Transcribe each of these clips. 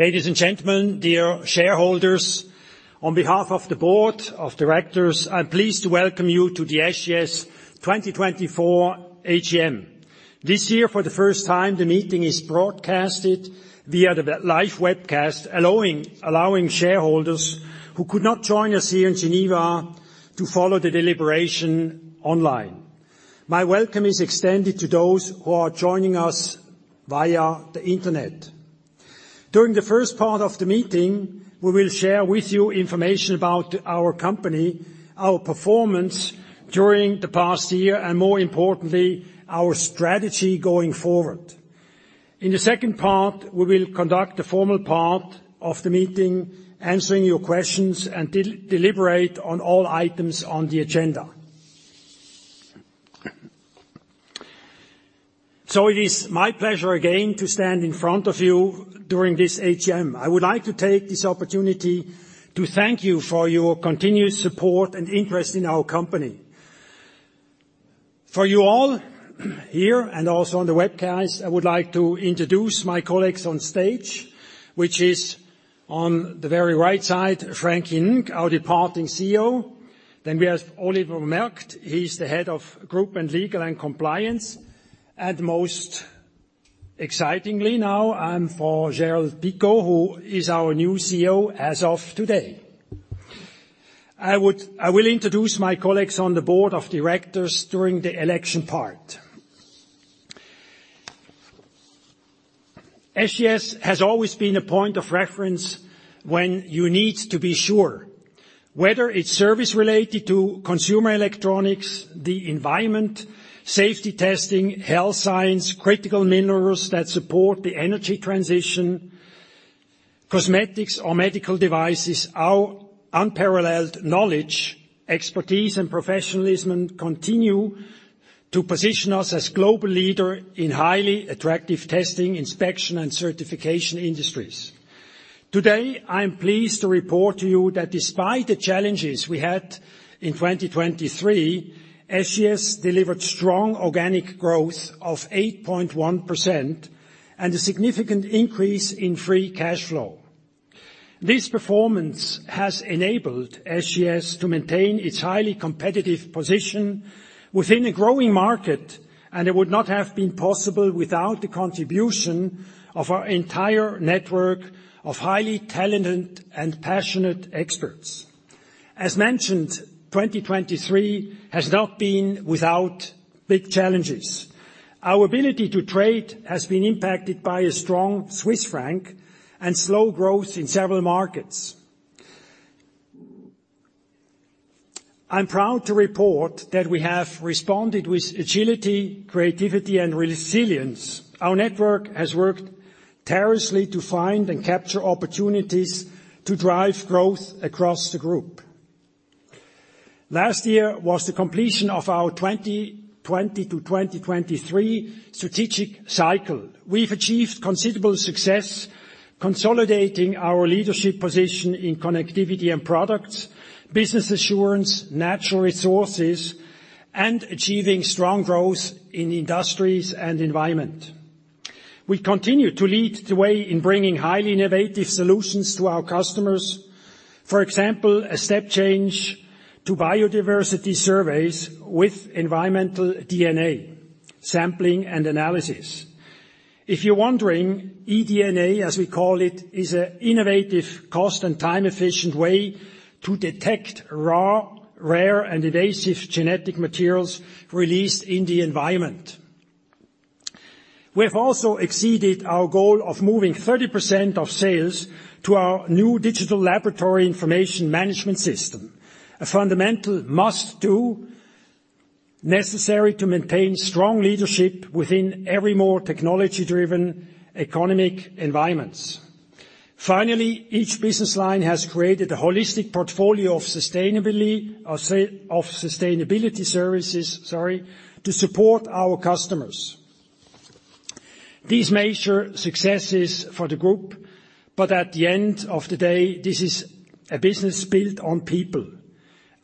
Ladies and gentlemen, dear shareholders, on behalf of the Board of Directors, I'm pleased to welcome you to the SGS 2024 AGM. This year, for the first time, the meeting is broadcasted via the live webcast, allowing shareholders who could not join us here in Geneva to follow the deliberation online. My welcome is extended to those who are joining us via the internet. During the first part of the meeting, we will share with you information about our company, our performance during the past year, and more importantly, our strategy going forward. In the second part, we will conduct the formal part of the meeting, answering your questions, and deliberate on all items on the agenda. It is my pleasure again to stand in front of you during this AGM. I would like to take this opportunity to thank you for your continuous support and interest in our company. For you all here and also on the webcast, I would like to introduce my colleagues on stage, which is on the very right side, Frankie Ng, our departing CEO. Then we have Olivier Merkt. He's the head of Group Legal and Compliance. And most excitingly now, I'm for Géraldine Picaud, who is our new CEO as of today. I will introduce my colleagues on the board of directors during the election part. SGS has always been a point of reference when you need to be sure, whether it's service-related to consumer electronics, the environment, safety testing, health science, critical minerals that support the energy transition, cosmetics, or medical devices. Our unparalleled knowledge, expertise, and professionalism continue to position us as global leaders in highly attractive testing, inspection, and certification industries. Today, I'm pleased to report to you that despite the challenges we had in 2023, SGS delivered strong organic growth of 8.1% and a significant increase in free cash flow. This performance has enabled SGS to maintain its highly competitive position within a growing market, and it would not have been possible without the contribution of our entire network of highly talented and passionate experts. As mentioned, 2023 has not been without big challenges. Our ability to trade has been impacted by a strong Swiss franc and slow growth in several markets. I'm proud to report that we have responded with agility, creativity, and resilience. Our network has worked tirelessly to find and capture opportunities to drive growth across the group. Last year was the completion of our 2020 to 2023 strategic cycle. We've achieved considerable success consolidating our leadership position in Connectivity and Products, Business Assurance, Natural Resources, and achieving strong growth in Industries and Environment. We continue to lead the way in bringing highly innovative solutions to our customers, for example, a step change to biodiversity surveys with environmental DNA sampling and analysis. If you're wondering, eDNA, as we call it, is an innovative, cost-and-time-efficient way to detect rare, rare, and invasive genetic materials released in the environment. We have also exceeded our goal of moving 30% of sales to our new digital laboratory information management system, a fundamental must-do necessary to maintain strong leadership within every more technology-driven economic environment. Finally, each business line has created a holistic portfolio of sustainability services to support our customers. These major successes for the group, but at the end of the day, this is a business built on people.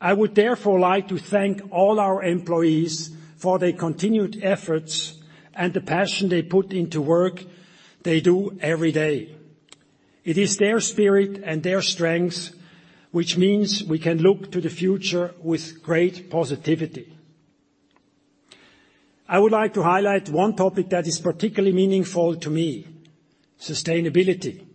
I would therefore like to thank all our employees for their continued efforts and the passion they put into work they do every day. It is their spirit and their strengths which means we can look to the future with great positivity. I would like to highlight one topic that is particularly meaningful to me: sustainability.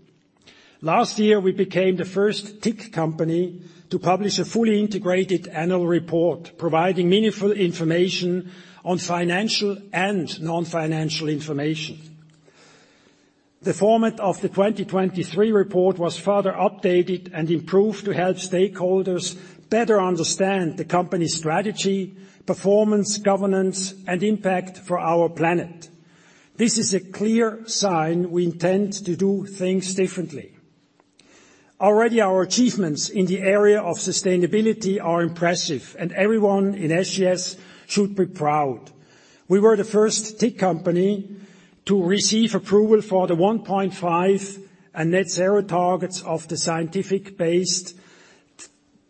Last year, we became the first tech company to publish a fully integrated Annual Report providing meaningful information on financial and non-financial information. The format of the 2023 report was further updated and improved to help stakeholders better understand the company's strategy, performance, governance, and impact for our planet. This is a clear sign we intend to do things differently. Already, our achievements in the area of sustainability are impressive, and everyone in SGS should be proud. We were the first tech company to receive approval for the 1.5 and net-zero targets of the Science Based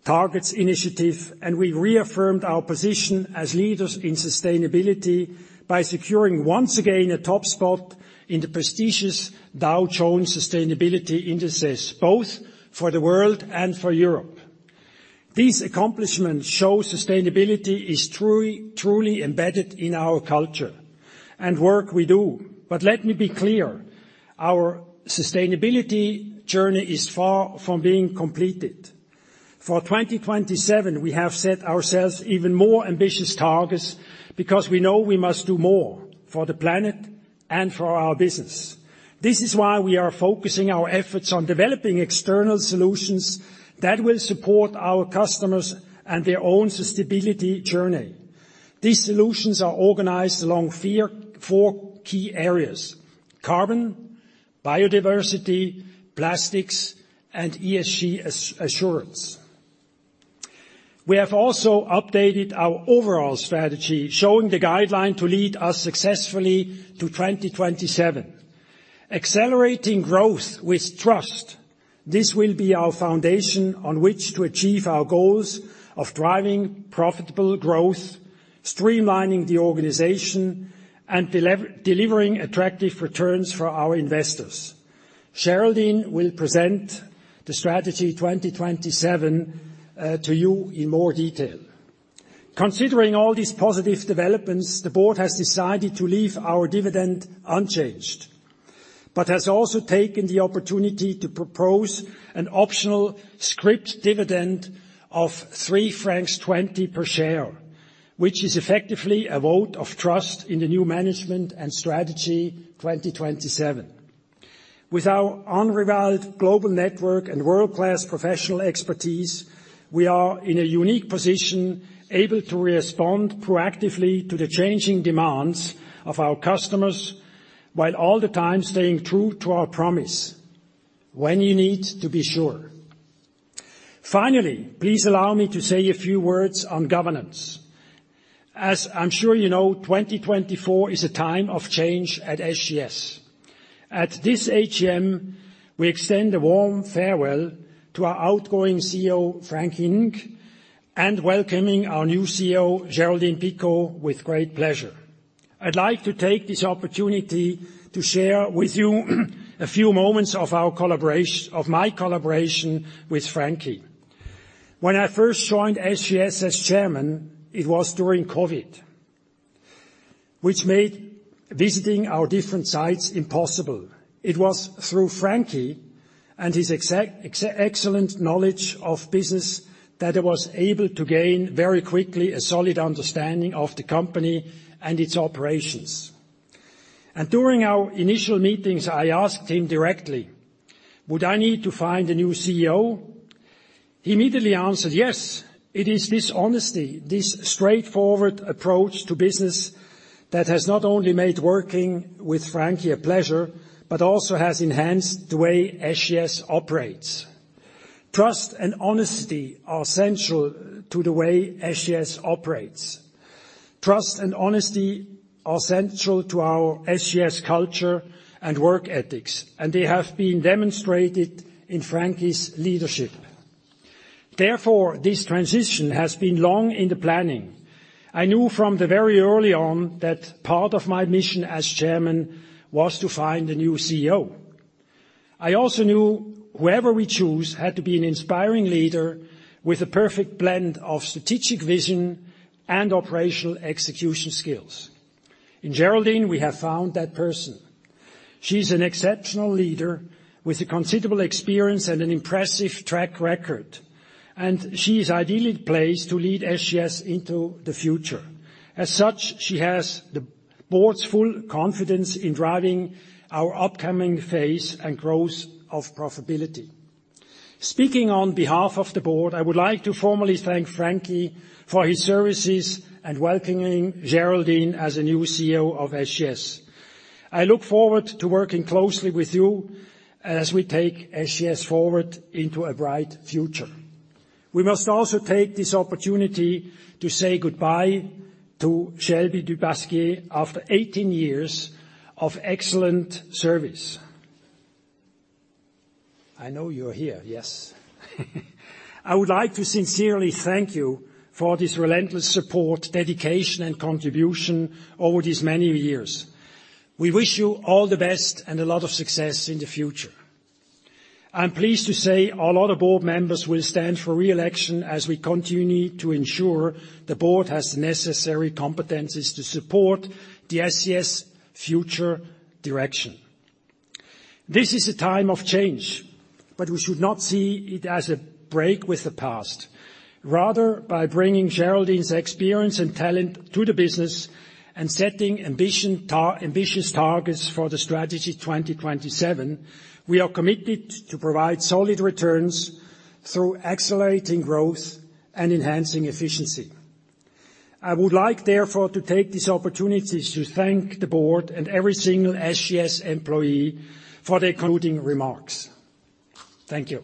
Targets initiative, and we reaffirmed our position as leaders in sustainability by securing once again a top spot in the prestigious Dow Jones Sustainability Indices, both for the world and for Europe. These accomplishments show sustainability is truly embedded in our culture and work we do. But let me be clear: our sustainability journey is far from being completed. For 2027, we have set ourselves even more ambitious targets because we know we must do more for the planet and for our business. This is why we are focusing our efforts on developing external solutions that will support our customers and their own sustainability journey. These solutions are organized along four key areas: carbon, biodiversity, plastics, and ESG assurance. We have also updated our overall strategy, showing the guideline to lead us successfully to 2027. Accelerating growth with trust, this will be our foundation on which to achieve our goals of driving profitable growth, streamlining the organization, and delivering attractive returns for our investors. Géraldine will present the Strategy 2027 to you in more detail. Considering all these positive developments, the board has decided to leave our dividend unchanged, but has also taken the opportunity to propose an optional scrip dividend of 3.20 francs per share, which is effectively a vote of trust in the new management and Strategy 2027. With our unrivaled global network and world-class professional expertise, we are in a unique position, able to respond proactively to the changing demands of our customers, while all the time staying true to our promise: when you need to be sure. Finally, please allow me to say a few words on governance. As I'm sure you know, 2024 is a time of change at SGS. At this AGM, we extend a warm farewell to our outgoing CEO, Frankie Ng, and welcome our new CEO, Géraldine Picaud, with great pleasure. I'd like to take this opportunity to share with you a few moments of my collaboration with Frankie. When I first joined SGS as chairman, it was during COVID, which made visiting our different sites impossible. It was through Frankie and his excellent knowledge of business that I was able to gain very quickly a solid understanding of the company and its operations. During our initial meetings, I asked him directly, "Would I need to find a new CEO?" He immediately answered, "Yes." It is this honesty, this straightforward approach to business that has not only made working with Frankie a pleasure, but also has enhanced the way SGS operates. Trust and honesty are central to the way SGS operates. Trust and honesty are central to our SGS culture and work ethics, and they have been demonstrated in Frankie's leadership. Therefore, this transition has been long in the planning. I knew from very early on that part of my mission as chairman was to find a new CEO. I also knew whoever we choose had to be an inspiring leader with a perfect blend of strategic vision and operational execution skills. In Géraldine, we have found that person. She's an exceptional leader with considerable experience and an impressive track record, and she is ideally placed to lead SGS into the future. As such, she has the board's full confidence in driving our upcoming phase and growth of profitability. Speaking on behalf of the board, I would like to formally thank Frankie for his services and welcoming Géraldine as a new CEO of SGS. I look forward to working closely with you as we take SGS forward into a bright future. We must also take this opportunity to say goodbye to Shelby du Pasquier after 18 years of excellent service. I know you're here, yes. I would like to sincerely thank you for this relentless support, dedication, and contribution over these many years. We wish you all the best and a lot of success in the future. I'm pleased to say a lot of board members will stand for reelection as we continue to ensure the board has the necessary competencies to support the SGS future direction. This is a time of change, but we should not see it as a break with the past. Rather, by bringing Géraldine’s experience and talent to the business and setting ambitious targets for the Strategy 2027, we are committed to provide solid returns through accelerating growth and enhancing efficiency. I would like, therefore, to take this opportunity to thank the board and every single SGS employee for their concluding remarks. Thank you.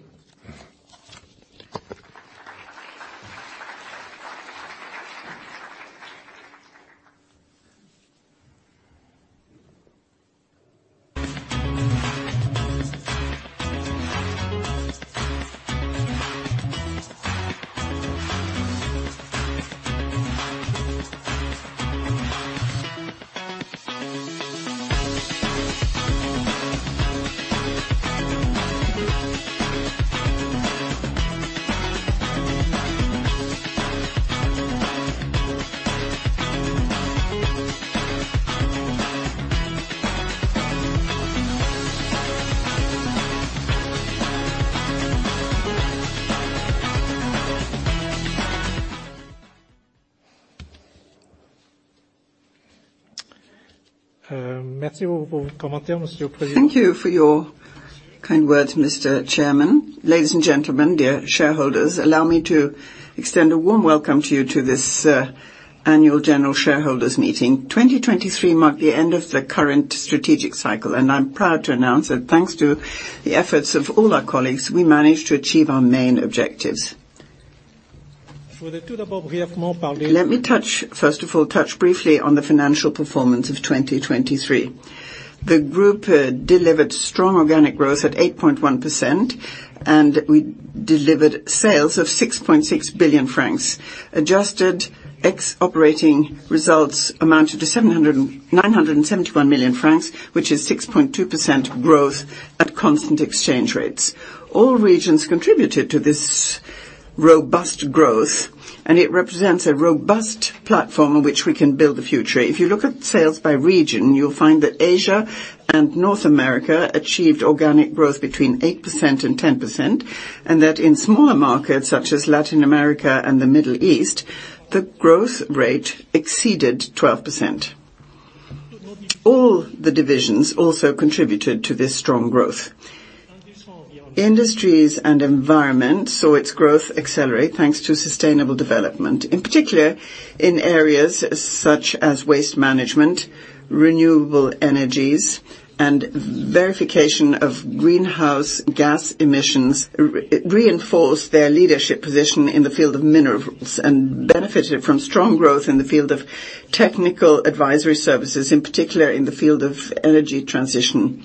Merci beaucoup pour vos commentaires, Monsieur le Président. Thank you for your kind words, Mr. Chairman. Ladies and gentlemen, dear shareholders, allow me to extend a warm welcome to you to this annual general shareholders' meeting. 2023 marked the end of the current strategic cycle, and I'm proud to announce that thanks to the efforts of all our colleagues, we managed to achieve our main objectives. Let me touch, first of all, briefly on the financial performance of 2023. The group delivered strong organic growth at 8.1%, and we delivered sales of 6.6 billion francs. Adjusted operating results amounted to 971 million francs, which is 6.2% growth at constant exchange rates. All regions contributed to this robust growth, and it represents a robust platform on which we can build the future. If you look at sales by region, you'll find that Asia and North America achieved organic growth between 8% and 10%, and that in smaller markets such as Latin America and the Middle East, the growth rate exceeded 12%. All the divisions also contributed to this strong growth. Industries and Environment saw its growth accelerate thanks to sustainable development. In particular, in areas such as waste management, renewable energies, and verification of greenhouse gas emissions, it reinforced their leadership position in the field of minerals and benefited from strong growth in the field of technical advisory services, in particular in the field of energy transition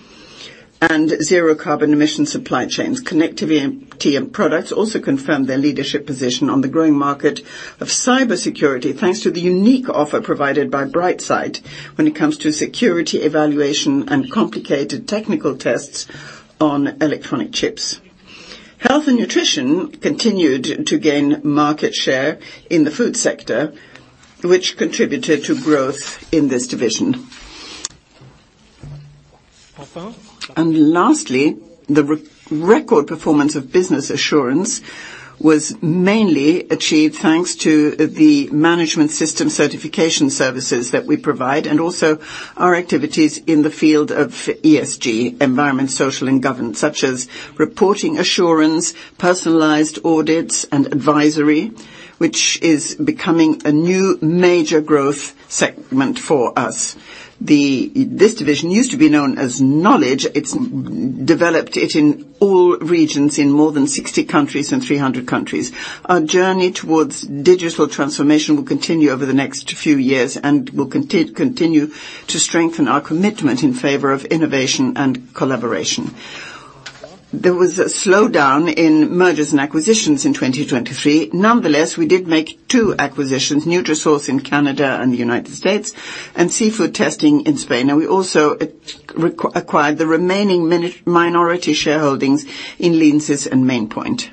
and zero-carbon emission supply chains. Connectivity and Products also confirmed their leadership position on the growing market of cybersecurity thanks to the unique offer provided by Brightsight when it comes to security evaluation and complicated technical tests on electronic chips. Health and Nutrition continued to gain market share in the food sector, which contributed to growth in this division. Lastly, the record performance of Business Assurance was mainly achieved thanks to the management system certification services that we provide and also our activities in the field of ESG, environmental, social, and governance, such as reporting assurance, personalized audits, and advisory, which is becoming a new major growth segment for us. This division used to be known as Knowledge. It's developed in all regions in more than 60 countries and 300 countries. Our journey towards digital transformation will continue over the next few years and will continue to strengthen our commitment in favor of innovation and collaboration. There was a slowdown in mergers and acquisitions in 2023. Nonetheless, we did make two acquisitions: Nutrasource in Canada and the United States, and seafood testing in Spain. We also acquired the remaining minority shareholdings in Leansis and Maine Pointe.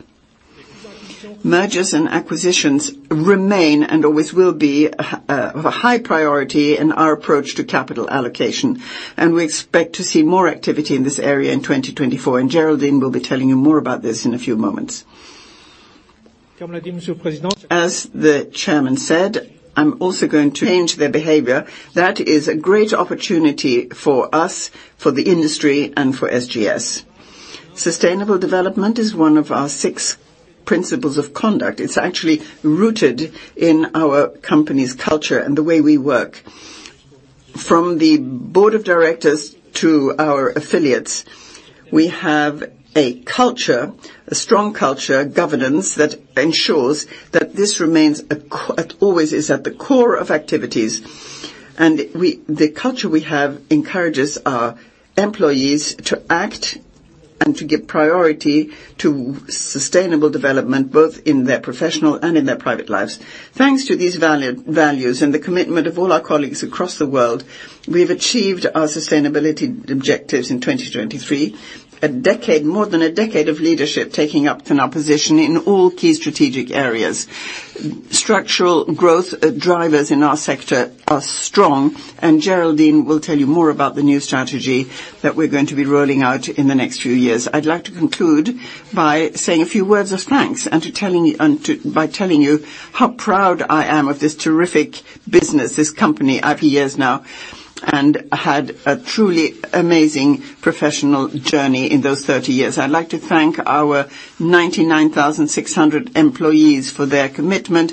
Mergers and acquisitions remain and always will be of a high priority in our approach to capital allocation, and we expect to see more activity in this area in 2024. Géraldine will be telling you more about this in a few moments. As the chairman said, I'm also going to change their behavior. That is a great opportunity for us, for the industry, and for SGS. Sustainable development is one of our six principles of conduct. It's actually rooted in our company's culture and the way we work. From the board of directors to our affiliates, we have a strong culture of governance that ensures that this always is at the core of activities. And the culture we have encourages our employees to act and to give priority to sustainable development, both in their professional and in their private lives. Thanks to these values and the commitment of all our colleagues across the world, we've achieved our sustainability objectives in 2023, more than a decade of leadership taking up our position in all key strategic areas. Structural growth drivers in our sector are strong, and Géraldine will tell you more about the new strategy that we're going to be rolling out in the next few years. I'd like to conclude by saying a few words of thanks and by telling you how proud I am of this terrific business, this company. Years now and had a truly amazing professional journey in those 30 years. I'd like to thank our 99,600 employees for their commitment,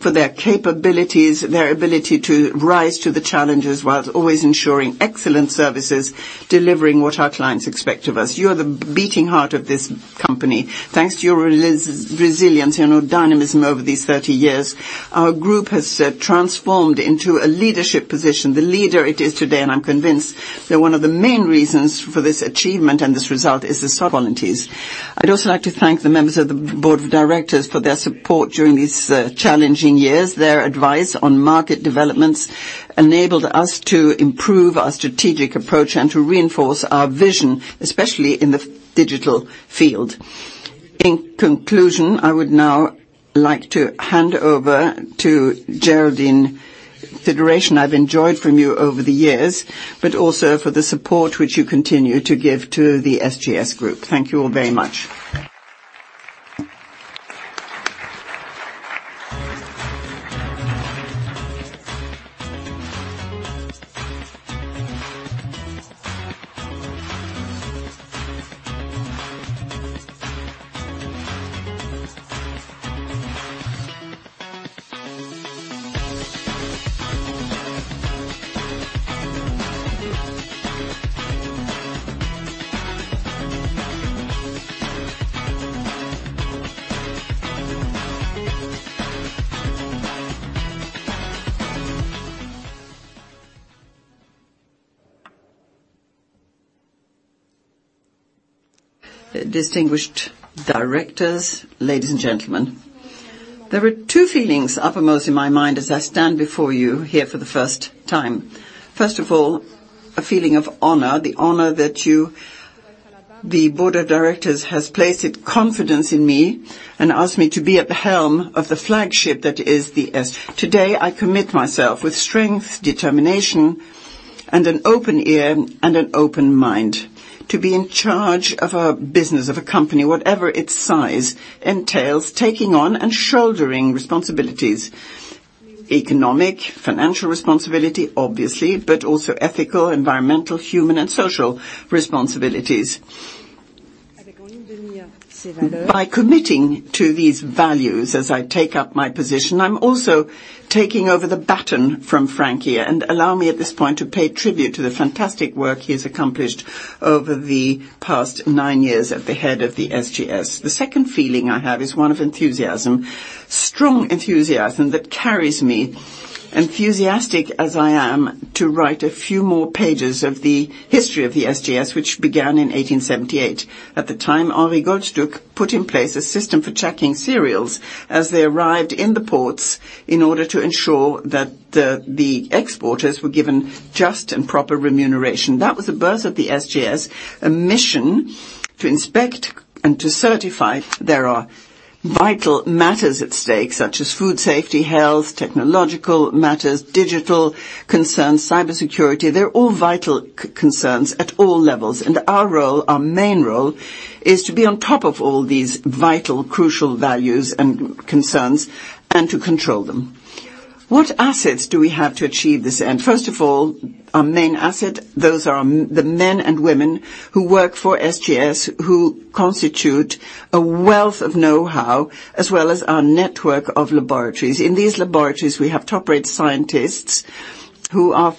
for their capabilities, their ability to rise to the challenges while always ensuring excellent services, delivering what our clients expect of us. You are the beating heart of this company. Thanks to your resilience, your dynamism over these 30 years, our group has transformed into a leadership position, the leader it is today. I'm convinced that one of the main reasons for this achievement and this result is the qualities. I'd also like to thank the members of the board of directors for their support during these challenging years. Their advice on market developments enabled us to improve our strategic approach and to reinforce our vision, especially in the digital field. In conclusion, I would now like to hand over to Géraldine. Consideration I've enjoyed from you over the years, but also for the support which you continue to give to the SGS group. Thank you all very much. Distinguished directors, ladies and gentlemen, there are two feelings uppermost in my mind as I stand before you here for the first time. First of all, a feeling of honor, the honor that the board of directors has placed confidence in me and asked me to be at the helm of the flagship that is the SGS. Today, I commit myself with strength, determination, and an open ear and an open mind to be in charge of a business, of a company, whatever its size entails, taking on and shouldering responsibilities: economic, financial responsibility, obviously, but also ethical, environmental, human, and social responsibilities. By committing to these values as I take up my position, I'm also taking over the baton from Frankie and allow me, at this point, to pay tribute to the fantastic work he has accomplished over the past nine years at the head of the SGS. The second feeling I have is one of enthusiasm, strong enthusiasm that carries me, enthusiastic as I am, to write a few more pages of the history of the SGS, which began in 1878. At the time, Henri Goldstuck put in place a system for checking cereals as they arrived in the ports in order to ensure that the exporters were given just and proper remuneration. That was the birth of the SGS, a mission to inspect and to certify. There are vital matters at stake, such as food safety, health, technological matters, digital concerns, cybersecurity. They're all vital concerns at all levels. Our role, our main role, is to be on top of all these vital, crucial values and concerns and to control them. What assets do we have to achieve this end? First of all, our main asset, those are the men and women who work for SGS, who constitute a wealth of know-how as well as our network of laboratories. In these laboratories, we have top-grade scientists who are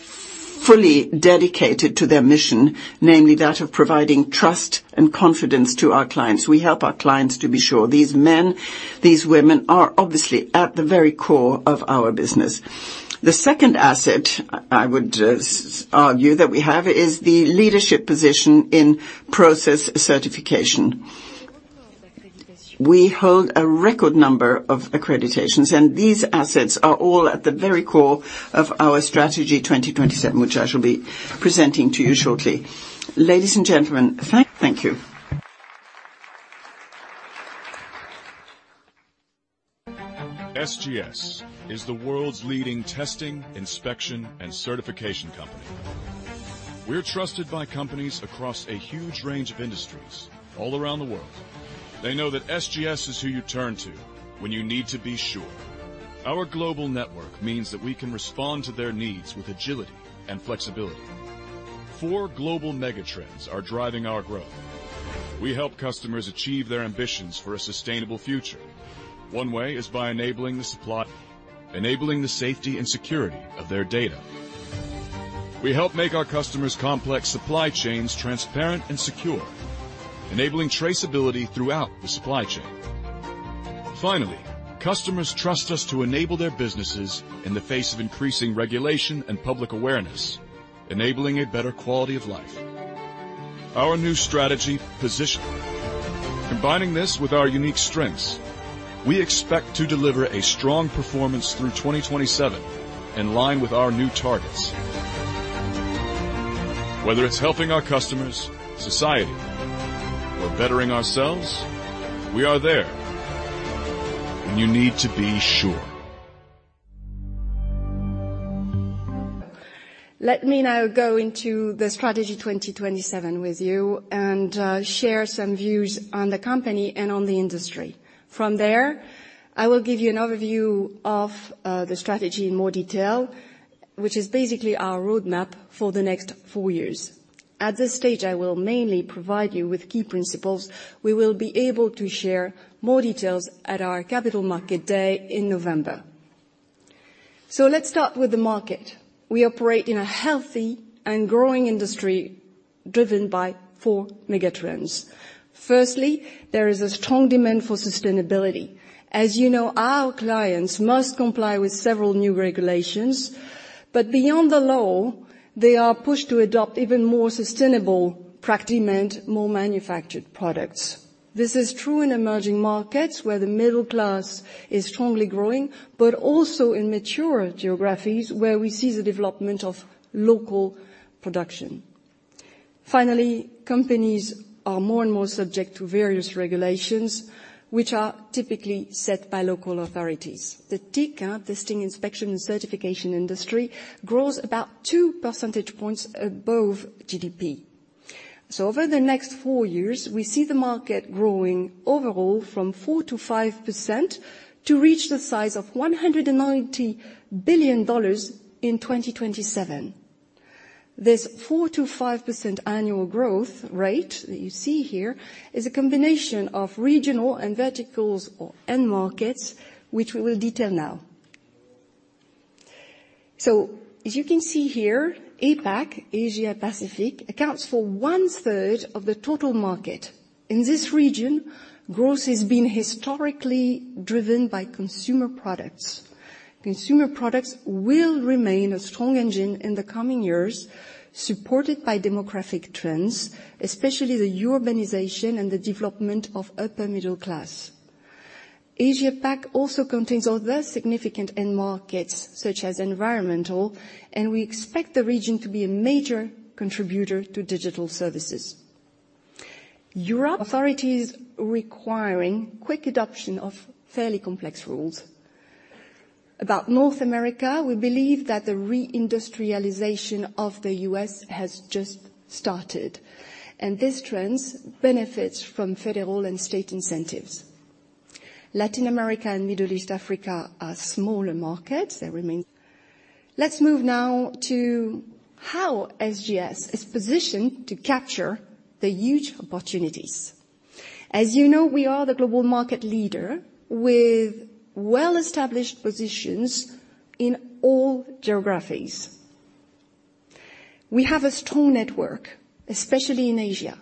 fully dedicated to their mission, namely that of providing trust and confidence to our clients. We help our clients to be sure. These men, these women are obviously at the very core of our business. The second asset, I would argue, that we have is the leadership position in process certification. We hold a record number of accreditations, and these assets are all at the very core of our Strategy 2027, which I shall be presenting to you shortly. Ladies and gentlemen, thank you. SGS is the world's leading testing, inspection, and certification company. We're trusted by companies across a huge range of industries all around the world. They know that SGS is who you turn to when you need to be sure. Our global network means that we can respond to their needs with agility and flexibility. Four global megatrends are driving our growth. We help customers achieve their ambitions for a sustainable future. One way is by enabling the supply, enabling the safety and security of their data. We help make our customers' complex supply chains transparent and secure, enabling traceability throughout the supply chain. Finally, customers trust us to enable their businesses in the face of increasing regulation and public awareness, enabling a better quality of life. Our new strategy position. Combining this with our unique strengths, we expect to deliver a strong performance through 2027 in line with our new targets. Whether it's helping our customers, society, or bettering ourselves, we are there when you need to be sure. Let me now go into the Strategy 2027 with you and share some views on the company and on the industry. From there, I will give you an overview of the strategy in more detail, which is basically our roadmap for the next four years. At this stage, I will mainly provide you with key principles. We will be able to share more details at our capital market day in November. So let's start with the market. We operate in a healthy and growing industry driven by four megatrends. Firstly, there is a strong demand for sustainability. As you know, our clients must comply with several new regulations, but beyond the law, they are pushed to adopt even more sustainable practices. Demand more manufactured products. This is true in emerging markets where the middle class is strongly growing, but also in mature geographies where we see the development of local production. Finally, companies are more and more subject to various regulations, which are typically set by local authorities. The TIC, Testing, Inspection, and Certification industry grows about 2 percentage points above GDP. So over the next four years, we see the market growing overall from 4%-5% to reach the size of $190 billion in 2027. This 4%-5% annual growth rate that you see here is a combination of regional and verticals or end markets, which we will detail now. So as you can see here, APAC, Asia Pacific, accounts for one-third of the total market. In this region, growth has been historically driven by consumer products. Consumer products will remain a strong engine in the coming years, supported by demographic trends, especially the urbanization and the development of upper middle class. Asia Pacific also contains other significant end markets, such as environmental, and we expect the region to be a major contributor to digital services. Europe. Authorities requiring quick adoption of fairly complex rules. About North America, we believe that the reindustrialization of the U.S. has just started, and this trend benefits from federal and state incentives. Latin America and Middle East Africa are smaller markets. They remain. Let's move now to how SGS is positioned to capture the huge opportunities. As you know, we are the global market leader with well-established positions in all geographies. We have a strong network, especially in Asia,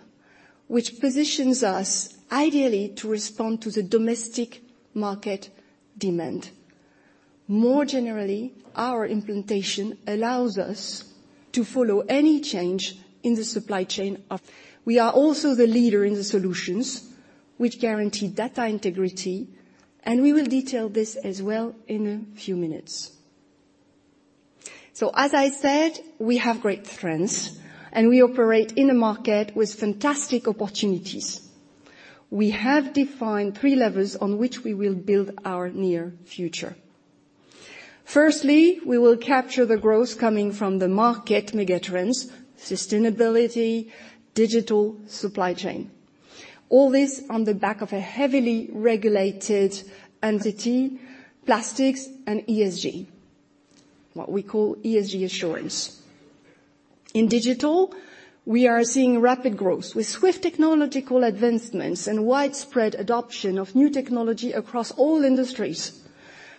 which positions us ideally to respond to the domestic market demand. More generally, our implementation allows us to follow any change in the supply chain. We are also the leader in the solutions, which guarantee data integrity, and we will detail this as well in a few minutes. So as I said, we have great trends, and we operate in a market with fantastic opportunities. We have defined three levels on which we will build our near future. Firstly, we will capture the growth coming from the market megatrends, sustainability, digital supply chain, all this on the back of a heavily regulated entity, Plastics and ESG, what we call ESG assurance. In digital, we are seeing rapid growth with swift technological advancements and widespread adoption of new technology across all industries.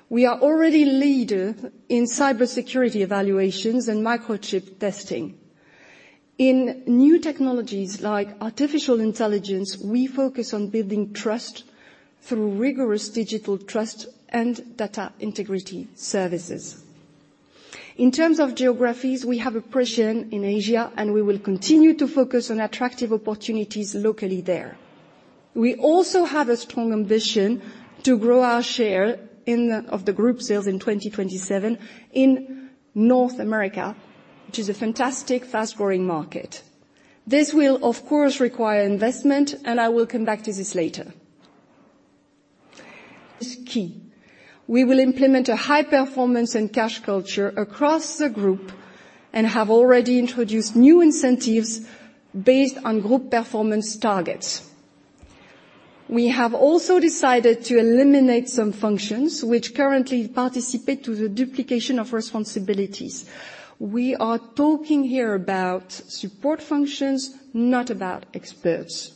We are already a leader in cybersecurity evaluations and microchip testing. In new technologies like artificial intelligence, we focus on building trust through rigorous digital trust and data integrity services. In terms of geographies, we have a presence in Asia, and we will continue to focus on attractive opportunities locally there. We also have a strong ambition to grow our share of the group sales in 2027 in North America, which is a fantastic, fast-growing market. This will, of course, require investment, and I will come back to this later. It's key. We will implement a high-performance and cash culture across the group and have already introduced new incentives based on group performance targets. We have also decided to eliminate some functions which currently participate in the duplication of responsibilities. We are talking here about support functions, not about experts.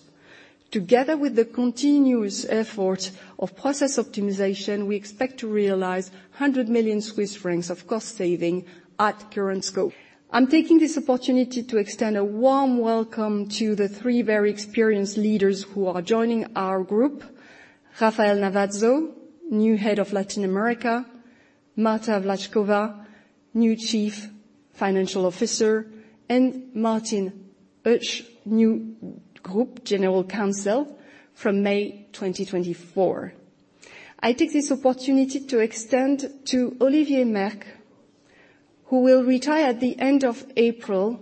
Together with the continuous efforts of process optimization, we expect to realize 100 million Swiss francs of cost saving at current scope. I'm taking this opportunity to extend a warm welcome to the three very experienced leaders who are joining our group: Rafael Navazo, new head of Latin America; Marta Vlatchkova, new chief financial officer; and Martin Oesch, new group general counsel from May 2024. I take this opportunity to extend to Olivier Merkt, who will retire at the end of April,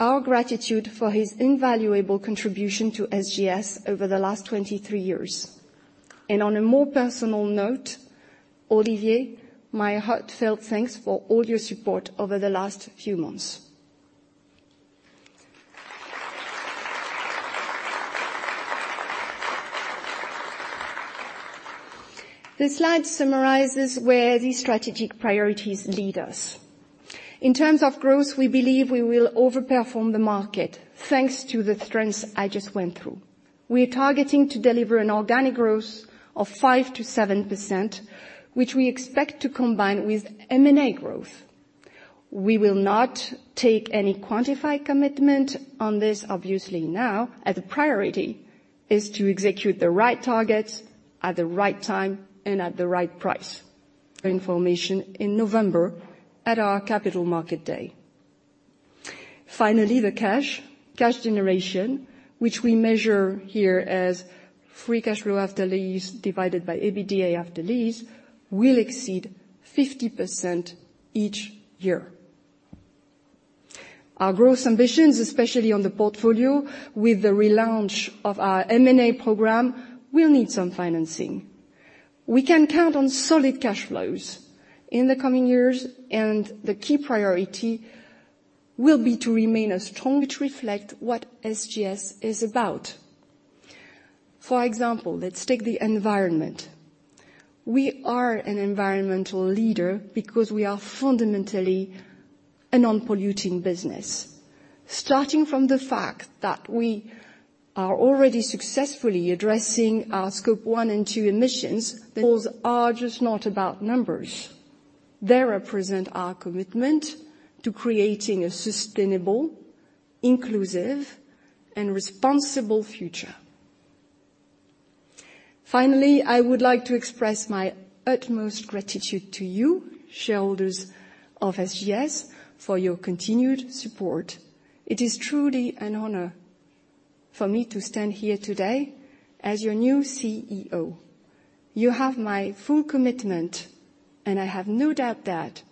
our gratitude for his invaluable contribution to SGS over the last 23 years. And on a more personal note, Olivier, my heartfelt thanks for all your support over the last few months. This slide summarizes where these strategic priorities lead us. In terms of growth, we believe we will overperform the market thanks to the trends I just went through. We are targeting to deliver an organic growth of 5%-7%, which we expect to combine with M&A growth. We will not take any quantified commitment on this, obviously, now. The priority is to execute the right targets at the right time and at the right price. Information in November at our capital market day. Finally, the cash, cash generation, which we measure here as free cash flow after lease divided by EBITDA after lease, will exceed 50% each year. Our growth ambitions, especially on the portfolio, with the relaunch of our M&A program, will need some financing. We can count on solid cash flows in the coming years, and the key priority will be to remain strong to reflect what SGS is about. For example, let's take the environment. We are an environmental leader because we are fundamentally a non-polluting business. Starting from the fact that we are already successfully addressing our Scope 1 and 2 emissions, those are just not about numbers. They represent our commitment to creating a sustainable, inclusive, and responsible future. Finally, I would like to express my utmost gratitude to you, shareholders of SGS, for your continued support. It is truly an honor for me to stand here today as your new CEO. You have my full commitment, and I have no doubt that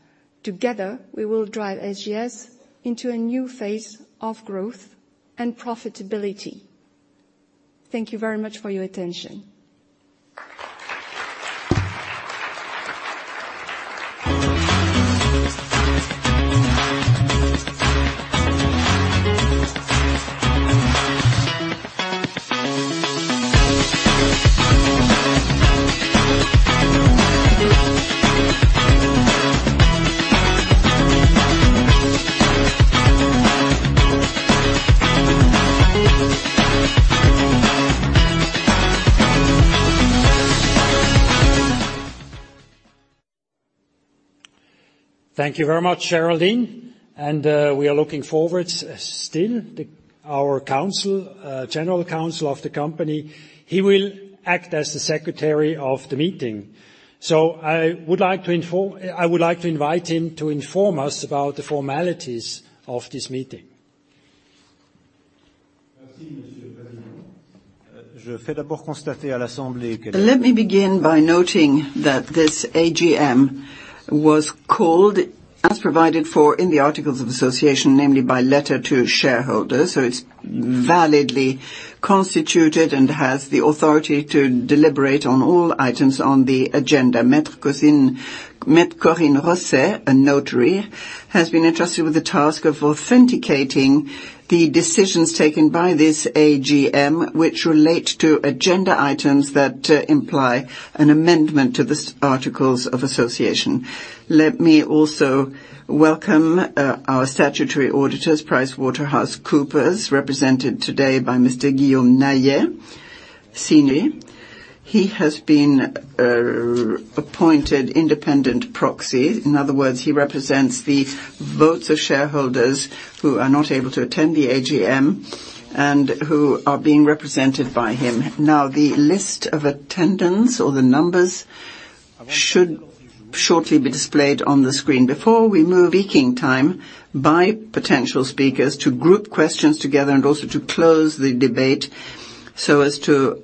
together we will drive SGS into a new phase of growth and profitability. Thank you very much for your attention. Thank you very much, Géraldine. We are looking forward still. Our General Counsel of the company, he will act as the secretary of the meeting. So I would like to invite him to inform us about the formalities of this meeting. Let me begin by noting that this AGM was called, as provided for in the Articles of Association, namely by letter to shareholders. So it's validly constituted and has the authority to deliberate on all items on the agenda. Maître Corinne Rosset, a notary, has been entrusted with the task of authenticating the decisions taken by this AGM, which relate to agenda items that imply an amendment to the Articles of Association. Let me also welcome our statutory auditors, PricewaterhouseCoopers, represented today by Mr. Guillaume Nayet, senior. He has been appointed independent proxy. In other words, he represents the votes of shareholders who are not able to attend the AGM and who are being represented by him. Now, the list of attendants or the numbers should shortly be displayed on the screen. Before we move. Speaking time by potential speakers to group questions together and also to close the debate so as to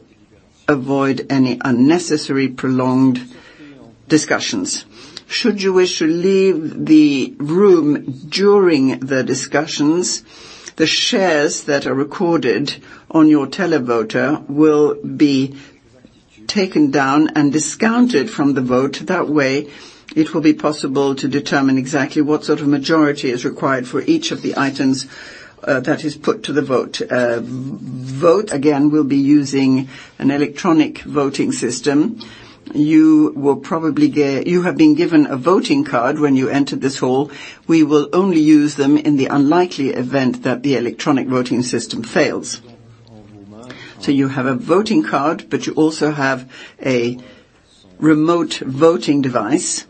avoid any unnecessary prolonged discussions. Should you wish to leave the room during the discussions, the shares that are recorded on your Televoter will be taken down and discounted from the vote. That way, it will be possible to determine exactly what sort of majority is required for each of the items that is put to the vote. Votes, again, will be using an electronic voting system. You have been given a voting card when you entered this hall. We will only use them in the unlikely event that the electronic voting system fails. So you have a voting card, but you also have a remote voting device.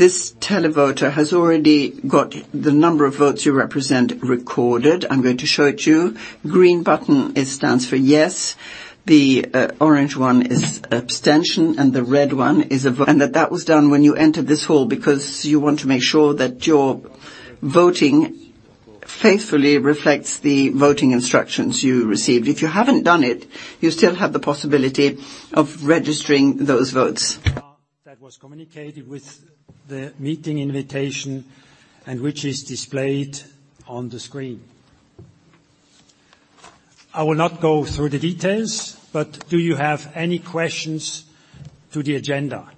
This Televoter has already got the number of votes you represent recorded. I'm going to show it to you. Green button stands for yes. The orange one is abstention, and the red one is. And that was done when you entered this hall because you want to make sure that your voting faithfully reflects the voting instructions you received. If you haven't done it, you still have the possibility of registering those votes. That was communicated with the meeting invitation and which is displayed on the screen. I will not go through the details, but do you have any questions to the agenda?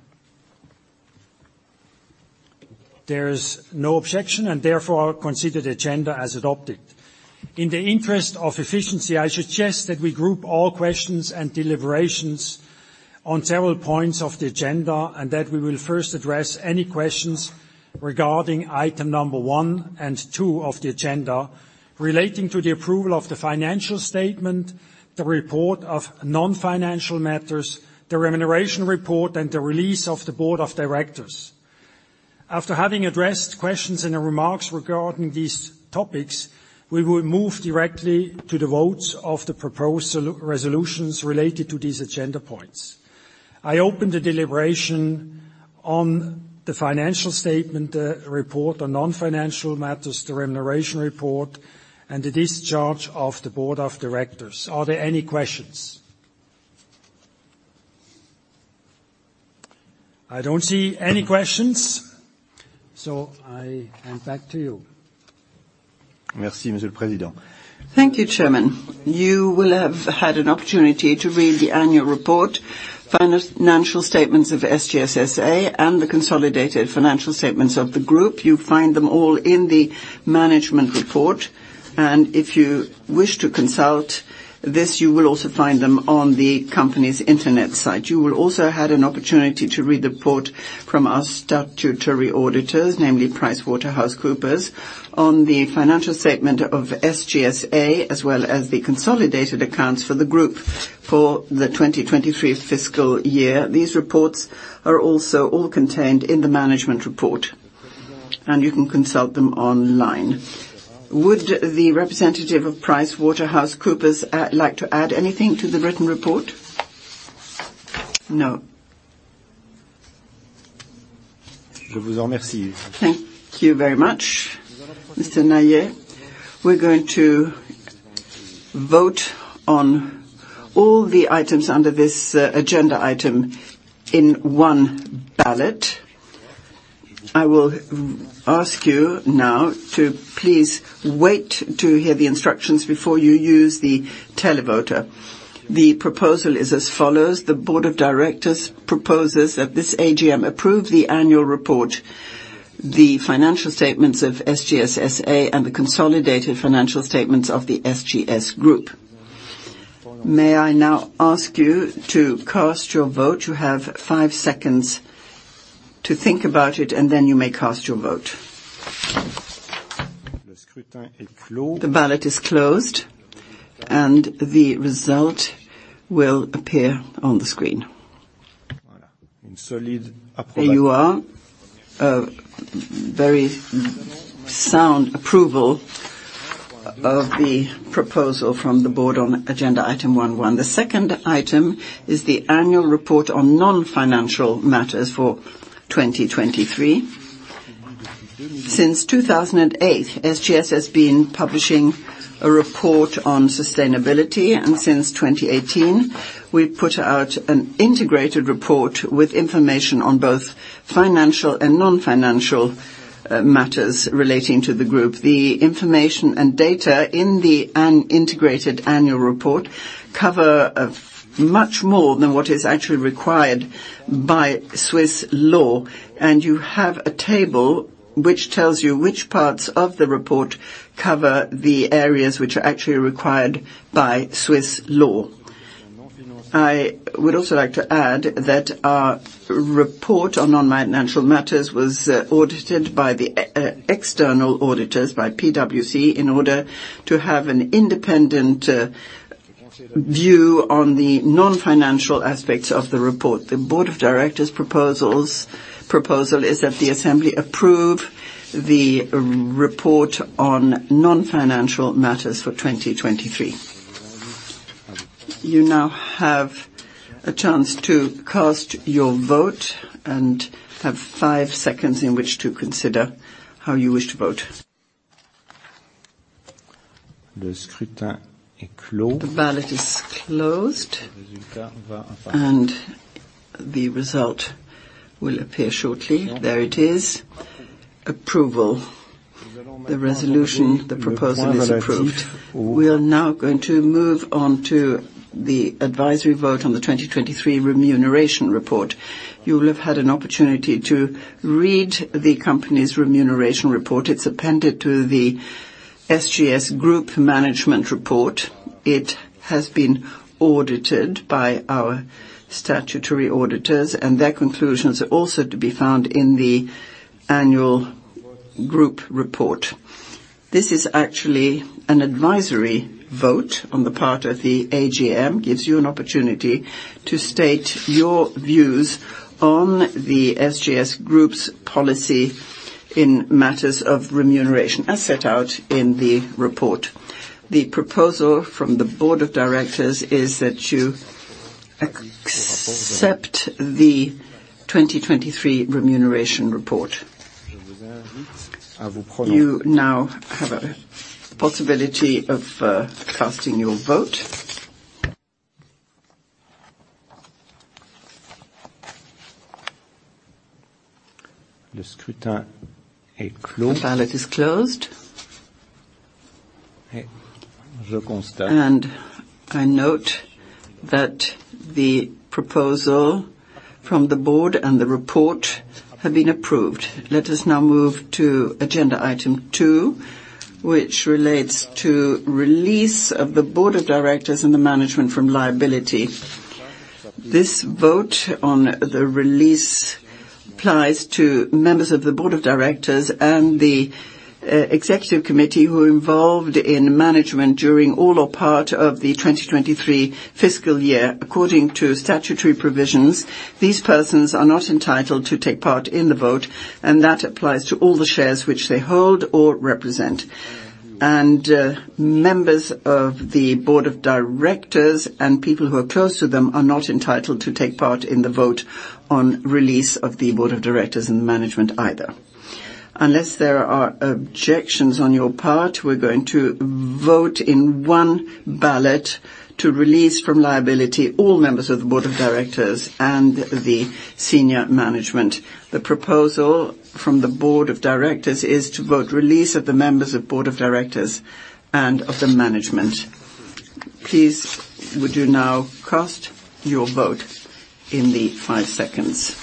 There is no objection, and therefore I'll consider the agenda as adopted. In the interest of efficiency, I suggest that we group all questions and deliberations on several points of the agenda and that we will first address any questions regarding item number 1 and 2 of the agenda relating to the approval of the financial statement, the report of non-financial matters, the Remuneration Report, and the release of the board of directors. After having addressed questions and remarks regarding these topics, we will move directly to the votes of the proposed resolutions related to these agenda points. I open the deliberation on the financial statement, the report on non-financial matters, the Remuneration Report, and the discharge of the board of directors. Are there any questions? I don't see any questions, so I am back to you. Thank you, Chairman. You will have had an opportunity to read the Annual Report, financial statements of SGS SA, and the consolidated financial statements of the group. You find them all in the management report, and if you wish to consult this, you will also find them on the company's internet site. You will also have had an opportunity to read the report from our statutory auditors, namely PricewaterhouseCoopers, on the financial statement of SGS SA as well as the consolidated accounts for the group for the 2023 fiscal year. These reports are also all contained in the management report, and you can consult them online. Would the representative of PricewaterhouseCoopers like to add anything to the written report? No? Thank you very much, Mr. Nayet. We're going to vote on all the items under this agenda item in one ballot. I will ask you now to please wait to hear the instructions before you use the Televoter. The proposal is as follows. The board of directors proposes that this AGM approve the Annual Report, the financial statements of SGS SA, and the consolidated financial statements of the SGS group. May I now ask you to cast your vote? You have 5 seconds to think about it, and then you may cast your vote. The ballot is closed, and the result will appear on the screen. There you are. Very sound approval of the proposal from the board on agenda item one. The second item is the Annual Report on non-financial matters for 2023. Since 2008, SGS has been publishing a report on sustainability, and since 2018, we put out an integrated report with information on both financial and non-financial matters relating to the group. The information and data in the integrated Annual Report cover much more than what is actually required by Swiss law, and you have a table which tells you which parts of the report cover the areas which are actually required by Swiss law. I would also like to add that our report on non-financial matters was audited by the external auditors, by PwC, in order to have an independent view on the non-financial aspects of the report. The board of directors' proposal is that the assembly approve the report on non-financial matters for 2023. You now have a chance to cast your vote and have five seconds in which to consider how you wish to vote. The ballot is closed, and the result will appear shortly. There it is. Approval. The resolution, the proposal is approved. We are now going to move on to the advisory vote on the 2023 Remuneration Report. You will have had an opportunity to read the company's Remuneration Report. It's appended to the SGS group management report. It has been audited by our statutory auditors, and their conclusions are also to be found in the annual group report. This is actually an advisory vote on the part of the AGM. It gives you an opportunity to state your views on the SGS group's policy in matters of remuneration, as set out in the report. The proposal from the board of directors is that you accept the 2023 Remuneration Report. You now have a possibility of casting your vote. The ballot is closed, and I note that the proposal from the board and the report have been approved. Let us now move to agenda item two, which relates to release of the board of directors and the management from liability. This vote on the release applies to members of the board of directors and the executive committee who are involved in management during all or part of the 2023 fiscal year. According to statutory provisions, these persons are not entitled to take part in the vote, and that applies to all the shares which they hold or represent. Members of the board of directors and people who are close to them are not entitled to take part in the vote on release of the board of directors and the management either. Unless there are objections on your part, we're going to vote in one ballot to release from liability all members of the board of directors and the senior management. The proposal from the board of directors is to vote release of the members of the board of directors and of the management. Please, would you now cast your vote in the five seconds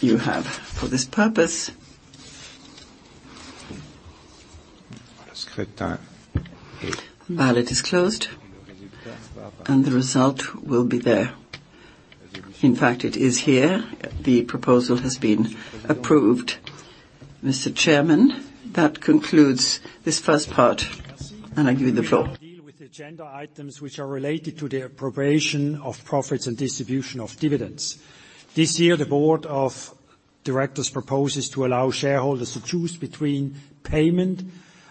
you have for this purpose? The ballot is closed, and the result will be there. In fact, it is here. The proposal has been approved. Mr. Chairman, that concludes this first part, and I give you the floor. This year, the board of directors proposes to allow shareholders to choose between payment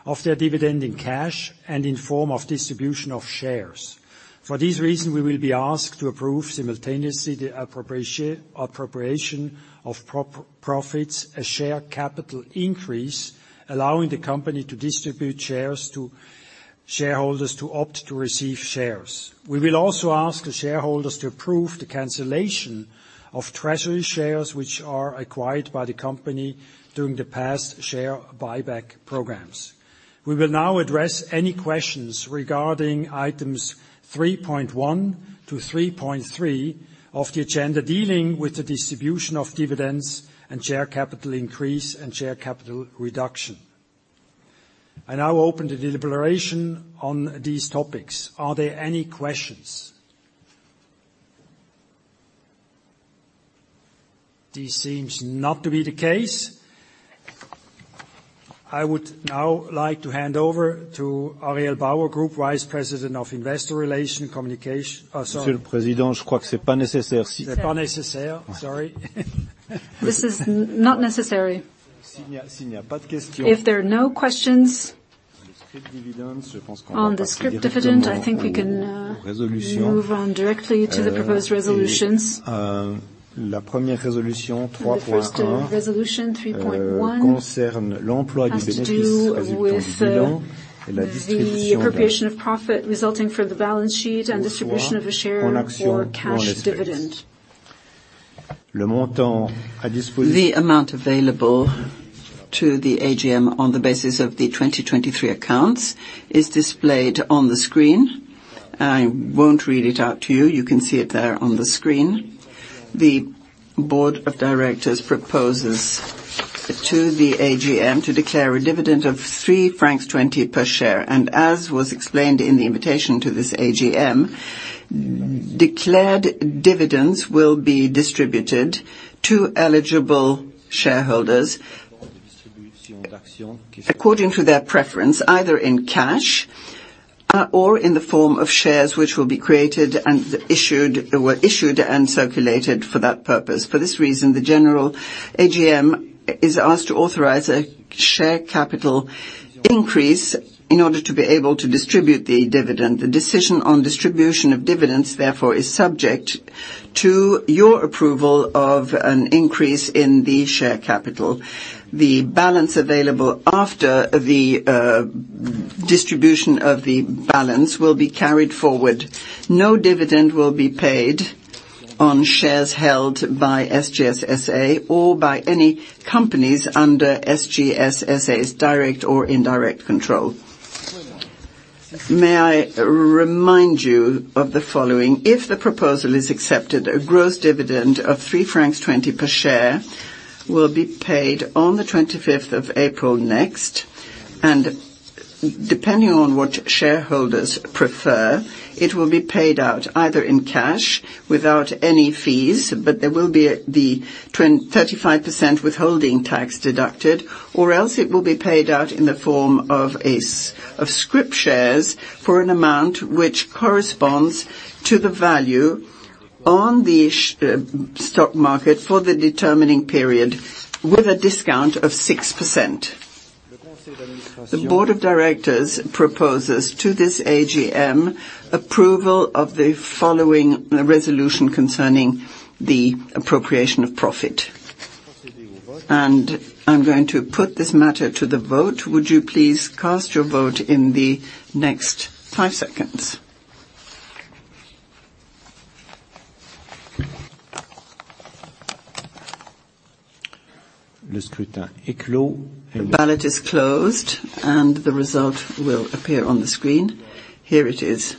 of their dividend in cash and in form of distribution of shares. For these reasons, we will be asked to approve simultaneously the appropriation of profits, a share capital increase, allowing the company to distribute shares to shareholders to opt to receive shares. We will also ask the shareholders to approve the cancellation of treasury shares which are acquired by the company during the past share buyback programs. We will now address any questions regarding items 3.1 to 3.3 of the agenda, dealing with the distribution of dividends and share capital increase and share capital reduction. I now open the deliberation on these topics. Are there any questions? This seems not to be the case. I would now like to hand over to Ariel Bauer, Group Vice President of Investor Relations. Monsieur le Président, je crois que ce n'est pas nécessaire. Ce n'est pas nécessaire, sorry. This is not necessary. If there are no questions on the scrip dividend, I think we can move on directly to the proposed resolutions. La première résolution, 3.1, concerne l'emploi du bénéfice résultant du bilan et la distribution of profit resulting from the balance sheet and distribution of a share or cash dividend. The amount available to the AGM on the basis of the 2023 accounts is displayed on the screen. I won't read it out to you. You can see it there on the screen. The board of directors proposes to the AGM to declare a dividend of 3.20 francs per share, and as was explained in the invitation to this AGM, declared dividends will be distributed to eligible shareholders according to their preference, either in cash or in the form of shares which will be created and issued and circulated for that purpose. For this reason, the general AGM is asked to authorize a share capital increase in order to be able to distribute the dividend. The decision on distribution of dividends, therefore, is subject to your approval of an increase in the share capital. The balance available after the distribution of the balance will be carried forward. No dividend will be paid on shares held by SGS SA or by any companies under SGS SA's direct or indirect control. May I remind you of the following? If the proposal is accepted, a gross dividend of 3.20 francs per share will be paid on the 25th of April next, and depending on what shareholders prefer, it will be paid out either in cash without any fees, but there will be the 35% withholding tax deducted, or else it will be paid out in the form of scrip shares for an amount which corresponds to the value on the stock market for the determining period with a discount of 6%. The board of directors proposes to this AGM approval of the following resolution concerning the appropriation of profit, and I'm going to put this matter to the vote. Would you please cast your vote in the next five seconds? The ballot is closed, and the result will appear on the screen. Here it is.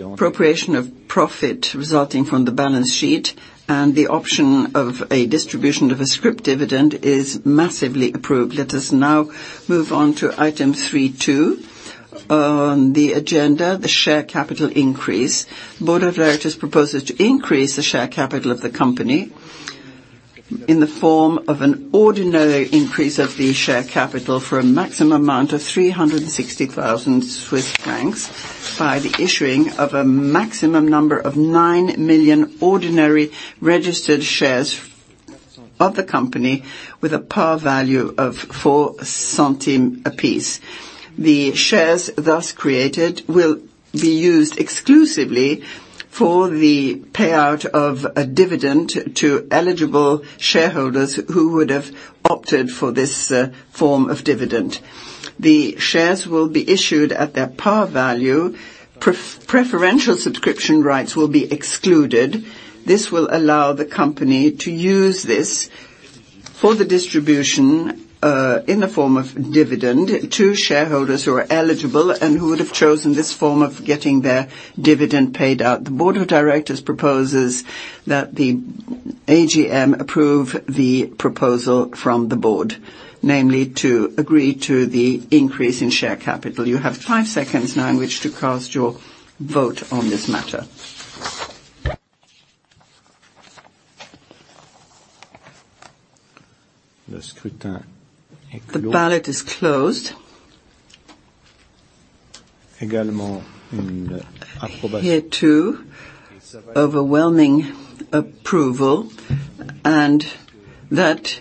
Appropriation of profit resulting from the balance sheet and the option of a distribution of a scrip dividend is massively approved. Let us now move on to item 3.2 on the agenda, the share capital increase. The board of directors proposes to increase the share capital of the company in the form of an ordinary increase of the share capital for a maximum amount of 360,000 Swiss francs by the issuing of a maximum number of 9 million ordinary registered shares of the company with a par value of 4 centimes apiece. The shares thus created will be used exclusively for the payout of a dividend to eligible shareholders who would have opted for this form of dividend. The shares will be issued at their par value. Preferential subscription rights will be excluded. This will allow the company to use this for the distribution in the form of dividend to shareholders who are eligible and who would have chosen this form of getting their dividend paid out. The board of directors proposes that the AGM approve the proposal from the board, namely to agree to the increase in share capital. You have five seconds now in which to cast your vote on this matter. The ballot is closed. Here too, overwhelming approval, and that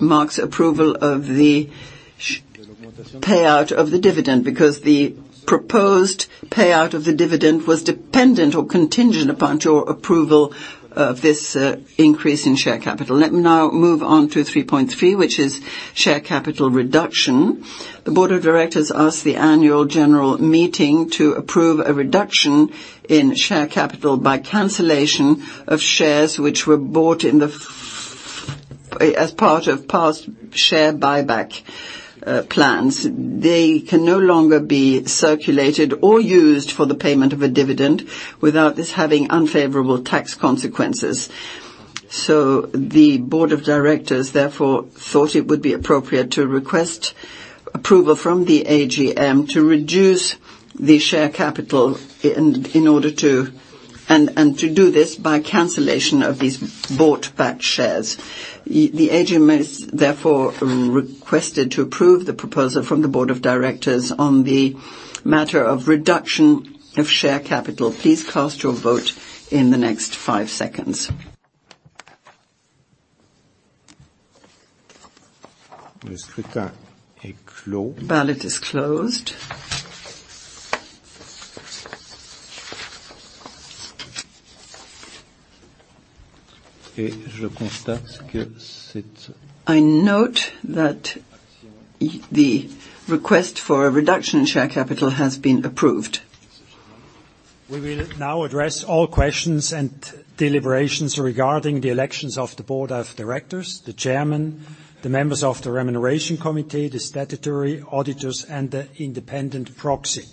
marks approval of the payout of the dividend because the proposed payout of the dividend was dependent or contingent upon your approval of this increase in share capital. Let me now move on to 3.3, which is share capital reduction. The board of directors asked the annual general meeting to approve a reduction in share capital by cancellation of shares which were bought as part of past share buyback plans. They can no longer be circulated or used for the payment of a dividend without this having unfavorable tax consequences. The board of directors, therefore, thought it would be appropriate to request approval from the AGM to reduce the share capital in order to and to do this by cancellation of these bought-back shares. The AGM has, therefore, requested to approve the proposal from the board of directors on the matter of reduction of share capital. Please cast your vote in the next five seconds. The ballot is closed. I note that the request for a reduction in share capital has been approved. We will now address all questions and deliberations regarding the elections of the board of directors, the chairman, the members of the Remuneration Committee, the statutory auditors, and the independent proxy.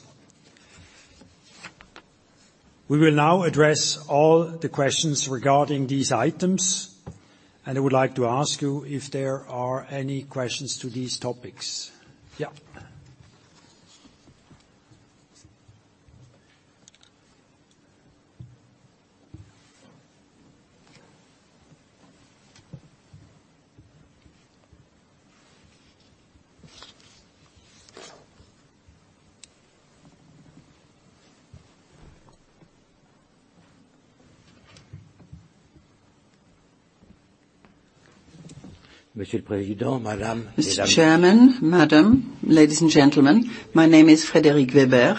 We will now address all the questions regarding these items, and I would like to ask you if there are any questions to these topics. Monsieur le Président, Madame, Mesdames et Messieurs. Mr. Chairman, Madame, Ladies and Gentlemen, my name is Frédéric Weber.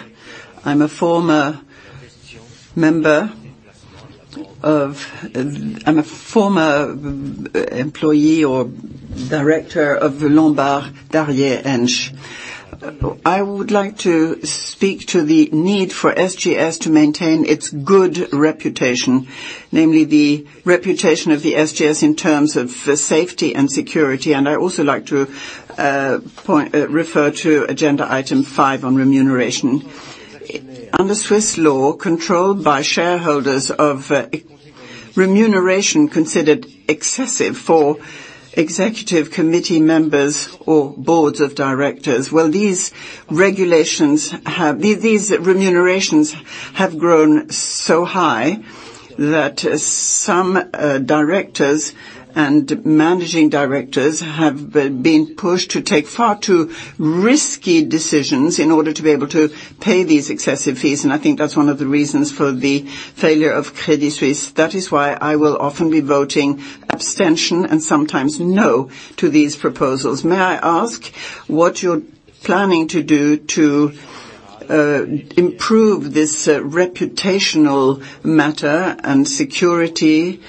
I'm a former employee or director of Lombard Odier. I would like to speak to the need for SGS to maintain its good reputation, namely the reputation of the SGS in terms of safety and security, and I also like to refer to agenda item five on remuneration. Under Swiss law, control by shareholders of remuneration considered excessive for executive committee members or boards of directors. Well, these regulations have these remunerations have grown so high that some directors and managing directors have been pushed to take far too risky decisions in order to be able to pay these excessive fees, and I think that's one of the reasons for the failure of Credit Suisse. That is why I will often be voting abstention and sometimes no to these proposals. May I ask what you're planning to do to improve this reputational matter and security?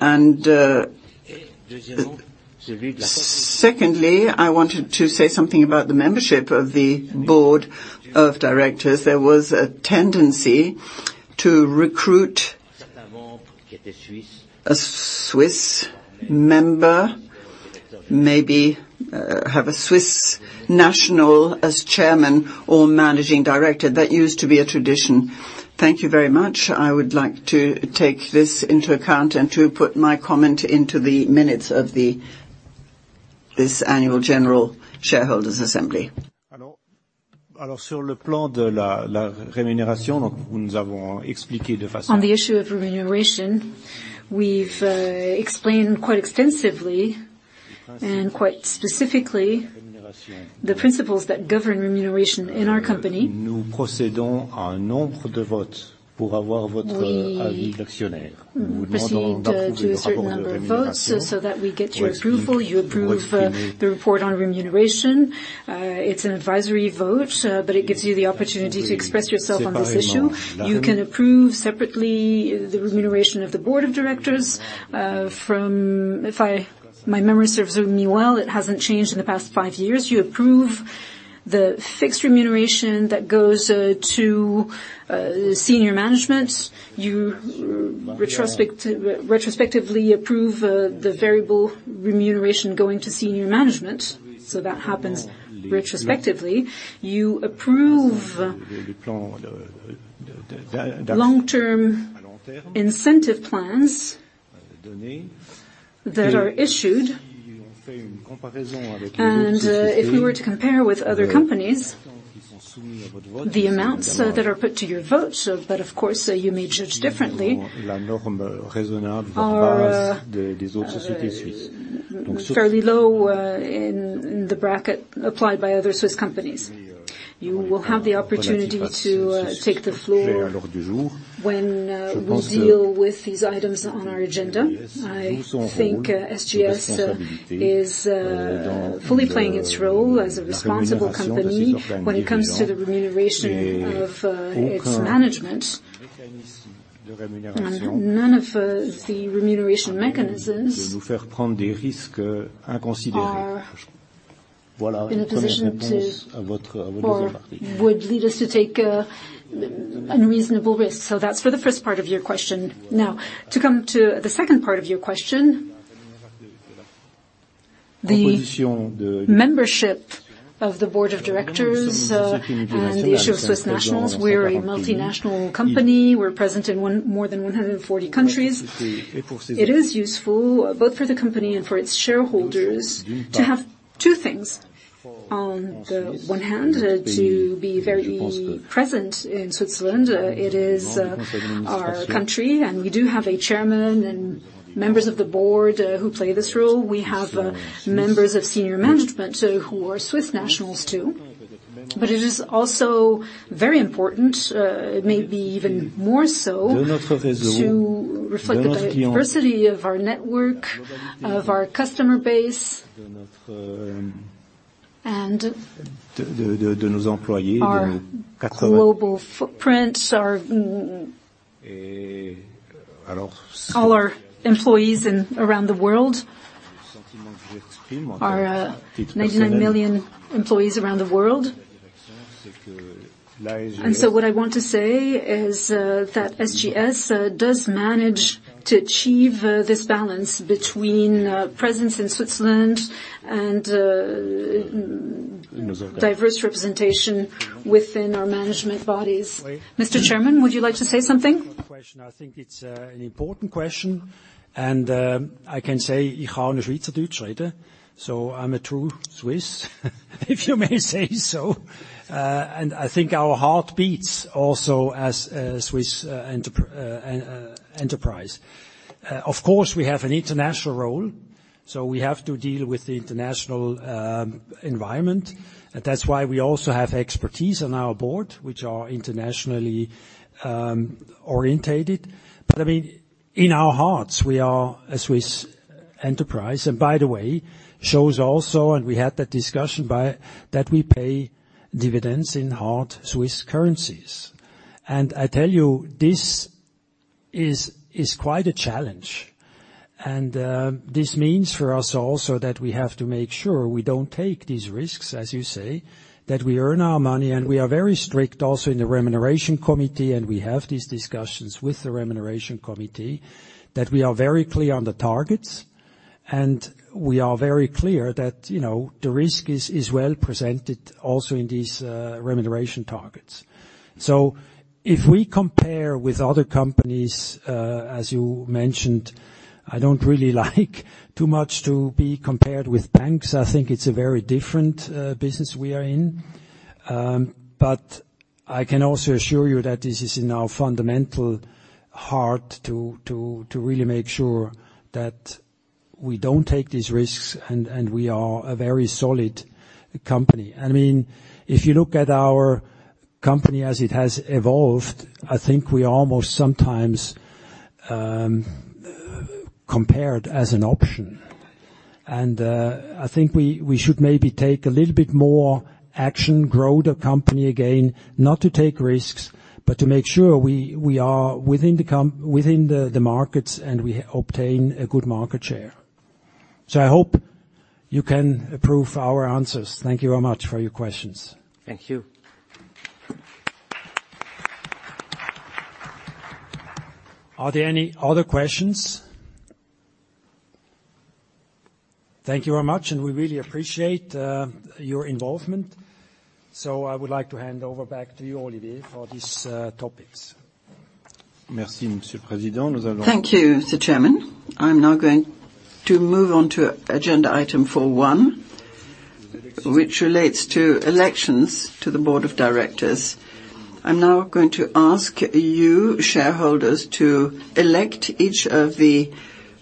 And secondly, I wanted to say something about the membership of the board of directors. There was a tendency to recruit a Swiss member, maybe have a Swiss national as chairman or managing director. That used to be a tradition. Thank you very much. I would like to take this into account and to put my comment into the minutes of this annual general shareholders' assembly. Alors, sur le plan de la rémunération, donc nous avons expliqué de façon. On the issue of remuneration, we've explained quite extensively and quite specifically the principles that govern remuneration in our company. Nous procédons à un nombre de votes pour avoir votre avis d'actionnaires. Nous demandons d'approuver le rapport de rémunération. We proceed in a number of votes so that we get your approval. You approve the report on remuneration. It's an advisory vote, but it gives you the opportunity to express yourself on this issue. You can approve separately the remuneration of the board of directors from if my memory serves me well, it hasn't changed in the past five years. You approve the fixed remuneration that goes to senior management. You retrospectively approve the variable remuneration going to senior management. So that happens retrospectively. You approve long-term incentive plans that are issued. If we were to compare with other companies, the amounts that are put to your votes, but of course, you may judge differently, are fairly low in the bracket applied by other Swiss companies. You will have the opportunity to take the floor when we deal with these items on our agenda. I think SGS is fully playing its role as a responsible company when it comes to the remuneration of its management. None of the remuneration mechanisms would lead us to take unreasonable risks. So that's for the first part of your question. Now, to come to the second part of your question, the membership of the board of directors and the issue of Swiss nationals. We're a multinational company. We're present in more than 140 countries. It is useful both for the company and for its shareholders to have two things. On the one hand, to be very present in Switzerland. It is our country, and we do have a chairman and members of the board who play this role. We have members of senior management who are Swiss nationals too. But it is also very important, maybe even more so, to reflect the diversity of our network, of our customer base, and our global footprint, all our employees around the world. And so what I want to say is that SGS does manage to achieve this balance between presence in Switzerland and diverse representation within our management bodies. Mr. Chairman, would you like to say something? I think it's an important question, and I can say Ich kann Schweizerdeutsch sprechen. So I'm a true Swiss, if you may say so. And I think our heart beats also as a Swiss enterprise. Of course, we have an international role, so we have to deal with the international environment. That's why we also have expertise on our board, which are internationally oriented. But I mean, in our hearts, we are a Swiss enterprise. And by the way, SGS also, and we had that discussion, that we pay dividends in hard Swiss currencies. And I tell you, this is quite a challenge. And this means for us also that we have to make sure we don't take these risks, as you say, that we earn our money. And we are very strict also in the Remuneration Committee, and we have these discussions with the Remuneration Committee, that we are very clear on the targets. And we are very clear that the risk is well presented also in these remuneration targets. So if we compare with other companies, as you mentioned, I don't really like too much to be compared with banks. I think it's a very different business we are in. But I can also assure you that this is in our fundamental heart to really make sure that we don't take these risks and we are a very solid company. I mean, if you look at our company as it has evolved, I think we almost sometimes compared as an option. And I think we should maybe take a little bit more action, grow the company again, not to take risks, but to make sure we are within the markets and we obtain a good market share. So I hope you can approve our answers. Thank you very much for your questions. Thank you. Are there any other questions? Thank you very much, and we really appreciate your involvement. So I would like to hand over back to you, Olivier, for these topics. Merci, Monsieur le Président. Thank you, Mr. Chairman. I'm now going to move on to agenda item 4.1, which relates to elections to the board of directors. I'm now going to ask you, shareholders, to elect each of the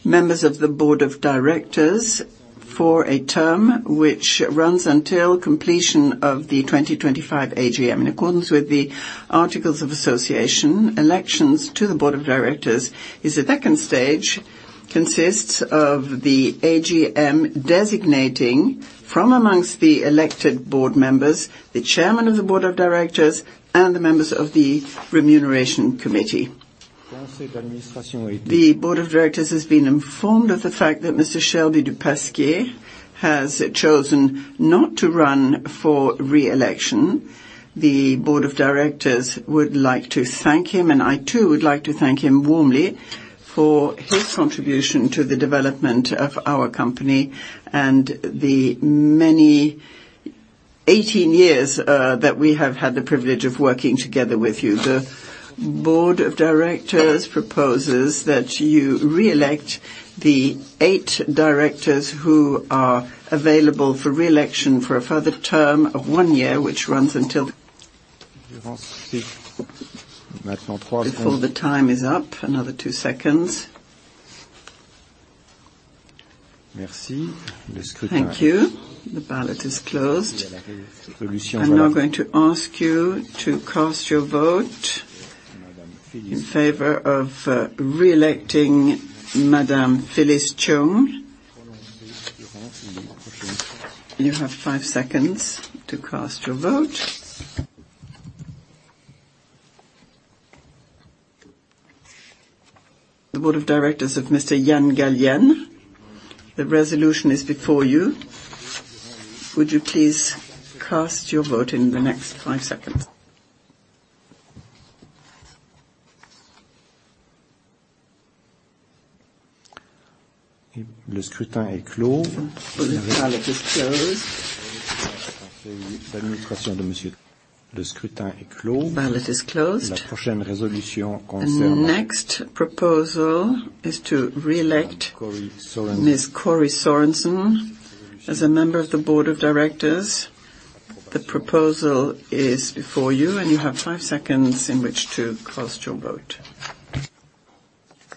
members of the board of directors for a term which runs until completion of the 2025 AGM. In accordance with the Articles of Association, elections to the board of directors is the second stage, consists of the AGM designating from amongst the elected board members the chairman of the board of directors and the members of the Remuneration Committee. The board of directors has been informed of the fact that Mr. Shelby du Pasquier has chosen not to run for re-election. The board of directors would like to thank him, and I too would like to thank him warmly for his contribution to the development of our company and the many 18 years that we have had the privilege of working together with you. The board of directors proposes that you re-elect the eight directors who are available for re-election for a further term of one year, which runs until. Before the time is up, another two seconds. Thank you. The ballot is closed. I'm now going to ask you to cast your vote in favor of re-electing Madame Phyllis Cheung. You have five seconds to cast your vote. The re-election of Mr. Ian Gallienne, the resolution is before you. Would you please cast your vote in the next five seconds? Le scrutin est clos. The ballot is closed. L'administration de Monsieur. Le scrutin est clos. The ballot is closed. La prochaine résolution concerne. The next proposal is to re-elect Miss Kory Sorenson as a member of the board of directors. The proposal is before you, and you have five seconds in which to cast your vote.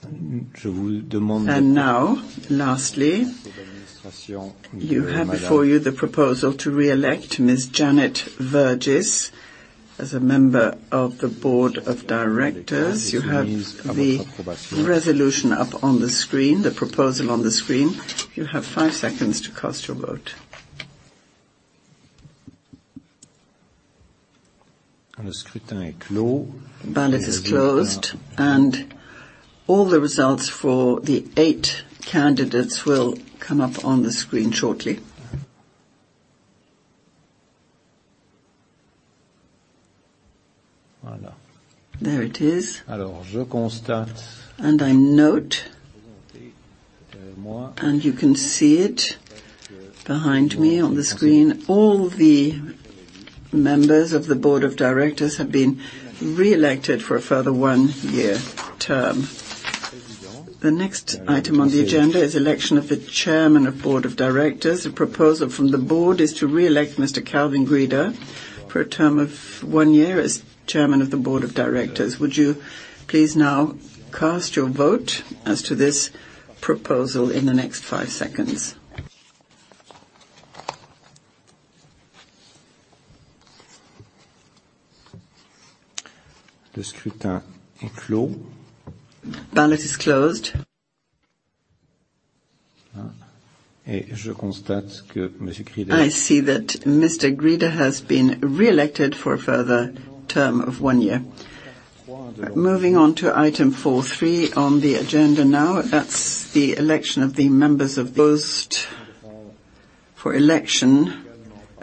And now, lastly, you have before you the proposal to re-elect Miss Janet Vergis as a member of the board of directors. You have the resolution up on the screen, the proposal on the screen. You have five seconds to cast your vote. Le scrutin est clos. The ballot is closed, and all the results for the eight candidates will come up on the screen shortly. There it is. And I note, and you can see it behind me on the screen, all the members of the board of directors have been re-elected for a further one year term. The next item on the agenda is election of the Chairman of the Board of Directors. The proposal from the board is to re-elect Mr. Calvin Grieder for a term of one year as Chairman of the Board of Directors. Would you please now cast your vote as to this proposal in the next five seconds? Le scrutin est clos. The ballot is closed. Et je constate que Monsieur Grieder. I see that Mr. Grieder has been re-elected for a further term of one year. Moving on to item 4.3 on the agenda now, that's the election of the members of. Proposed for election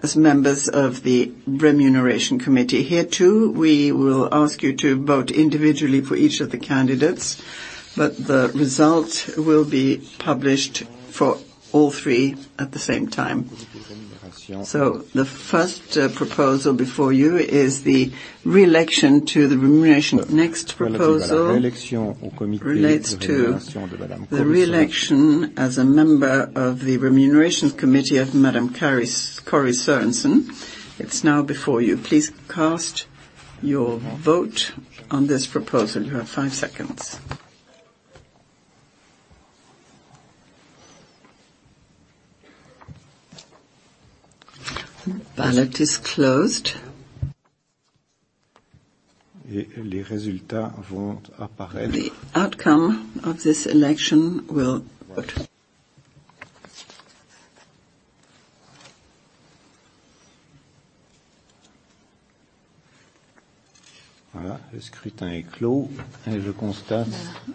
as members of the Remuneration Committee. Here too, we will ask you to vote individually for each of the candidates, but the result will be published for all three at the same time. So the first proposal before you is the re-election to the remuneration. Next proposal relates to the re-election as a member of the Remuneration Committee of Madame Kory Sorenson. It's now before you. Please cast your vote on this proposal. You have five seconds. The ballot is closed. The outcome of this election will. Vote. Le scrutin est clos, et je constate,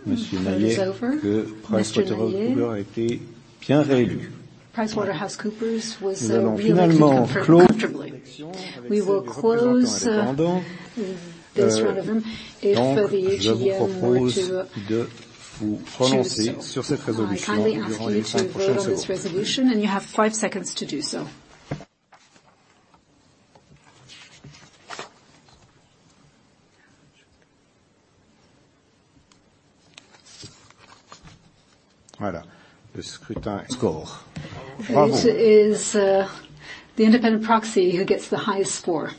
Monsieur Maillet, que PricewaterhouseCoopers a été bien réélu. Nous allons finalement clos. We will close this round of them, and for the AGM, we're to. Je vous propose de vous prononcer sur cette résolution. I'm going to ask you to vote on this resolution, and you have five seconds to do so. Le scrutin. Score. Bravo. It is the independent proxy who gets the highest score.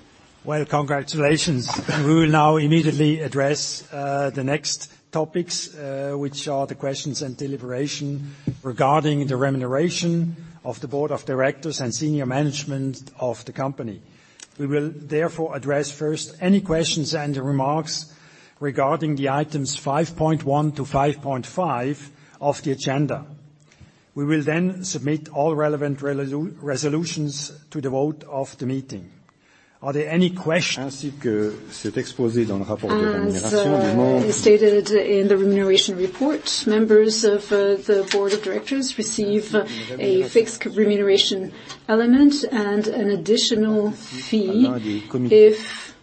Well, congratulations. We will now immediately address the next topics, which are the questions and deliberation regarding the remuneration of the board of directors and senior management of the company. We will therefore address first any questions and remarks regarding the items 5.1 to 5.5 of the agenda. We will then submit all relevant resolutions to the vote of the meeting. Are there any questions? Ainsi que cet exposé dans le rapport de rémunération. It's stated in the Remuneration Report. Members of the board of directors receive a fixed remuneration element and an additional fee if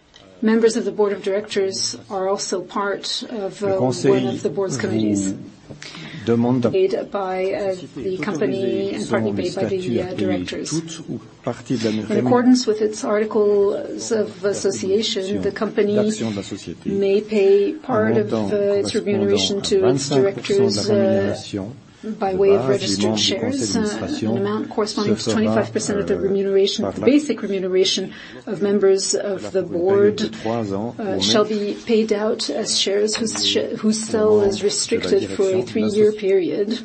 members of the board of directors are also part of one of the board's committees. Demande. Paid by the company and partly paid by the directors. In accordance with its Articles of Association, the company may pay part of its remuneration to its directors by way of registered shares. An amount corresponding to 25% of the basic remuneration of members of the board shall be paid out as shares whose sale is restricted for a three-year period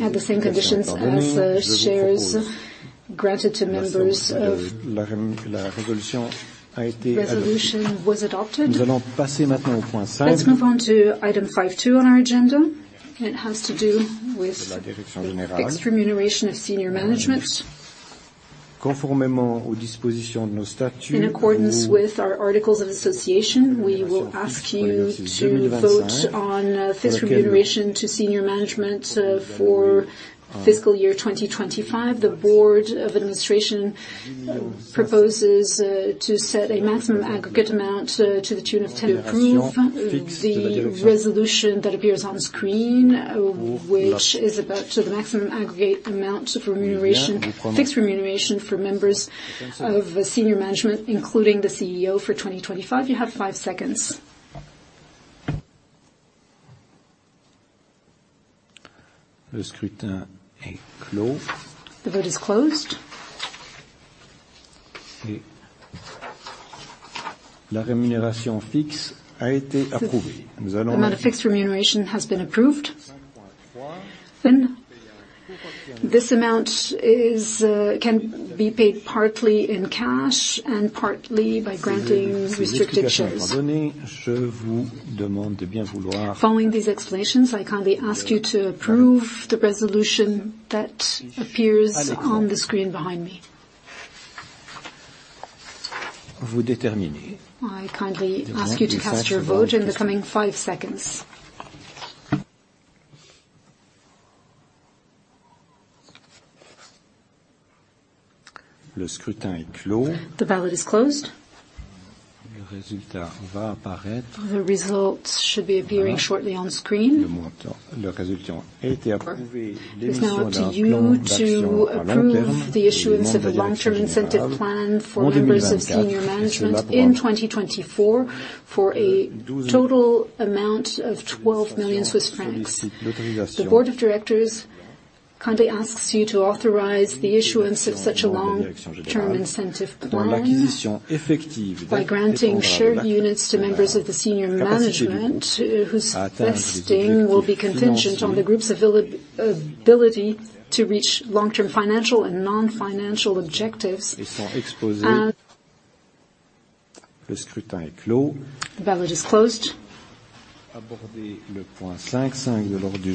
at the same conditions as shares granted to members of. La résolution was adopted. We're going to pass it now to point 5. Let's move on to item 5.2 on our agenda. It has to do with the fixed remuneration of senior management. Conformément aux dispositions de nos statuts. In accordance with our Articles of Association, we will ask you to vote on fixed remuneration to senior management for fiscal year 2025. The board of administration proposes to set a maximum aggregate amount to the tune of. To approve the resolution that appears on screen, which is about the maximum aggregate amount of fixed remuneration for members of senior management, including the CEO, for 2025. You have five seconds. Le scrutin est clos. The vote is closed. La rémunération fixe a été approuvée. The amount of fixed remuneration has been approved. This amount can be paid partly in cash and partly by granting restricted shares. Following these explanations, I kindly ask you to approve the resolution that appears on the screen behind me. I kindly ask you to cast your vote in the coming five seconds. Le scrutin est clos. The ballot is closed. Le résultat va apparaître. The results should be appearing shortly on screen. Le résultat a été approuvé. It's now up to you to approve the issuance of a long-term incentive plan for members of senior management in 2024 for a total amount of 12 million Swiss francs. The board of directors kindly asks you to authorize the issuance of such a long-term incentive plan by granting share units to members of the senior management whose vesting will be contingent on the group's ability to reach long-term financial and non-financial objectives. Le scrutin est clos. The ballot is closed.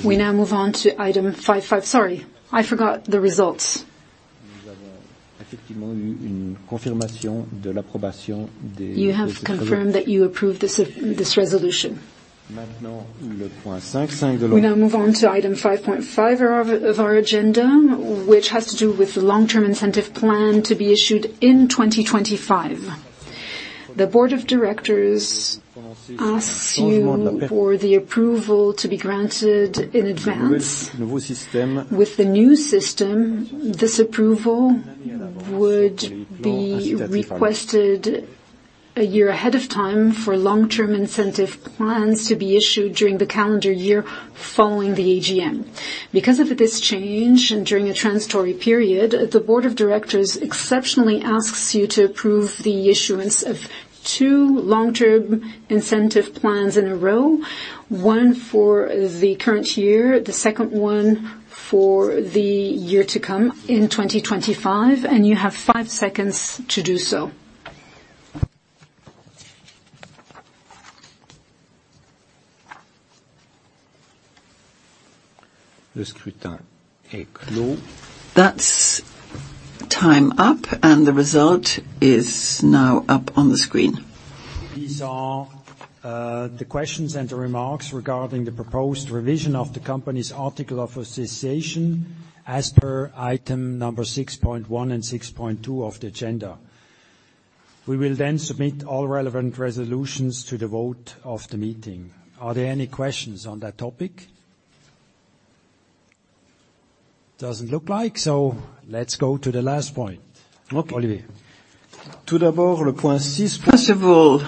We now move on to item 5.5. Sorry, I forgot the results. Nous avons effectivement eu une confirmation de l'approbation des résolutions. You have confirmed that you approve this resolution. We now move on to item 5.5 of our agenda, which has to do with the long-term incentive plan to be issued in 2025. The board of directors asks you for the approval to be granted in advance. With the new system, this approval would be requested a year ahead of time for long-term incentive plans to be issued during the calendar year following the AGM. Because of this change and during a transitory period, the board of directors exceptionally asks you to approve the issuance of two long-term incentive plans in a row, one for the current year, the second one for the year to come in 2025, and you have five seconds to do so. Le scrutin est clos. That's time up, and the result is now up on the screen. These are the questions and remarks regarding the proposed revision of the company's Articles of Association as per item number 6.1 and 6.2 of the agenda. We will then submit all relevant resolutions to the vote of the meeting. Are there any questions on that topic? Doesn't look like, so let's go to the last point. Tout d'abord, le point six. First of all,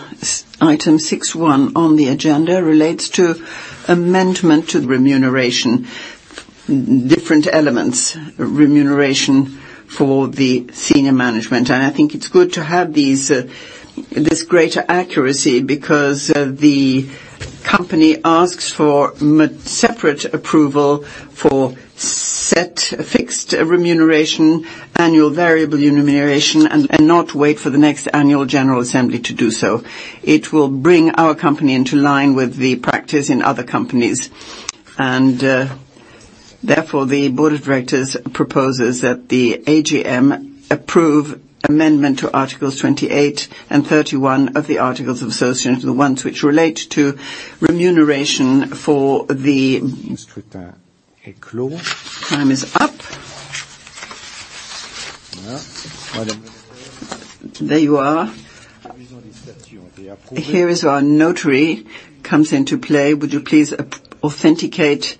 item 6.1 on the agenda relates to amendment to remuneration, different elements, remuneration for the senior management. I think it's good to have this greater accuracy because the company asks for separate approval for fixed remuneration, annual variable remuneration, and not wait for the next annual general assembly to do so. It will bring our company into line with the practice in other companies, and therefore the board of directors proposes that the AGM approve amendment to articles 28 and 31 of the Articles of Association to the ones which relate to remuneration for the. Le scrutin est clos. Time is up. There you are. Here is where our notary comes into play. Would you please authenticate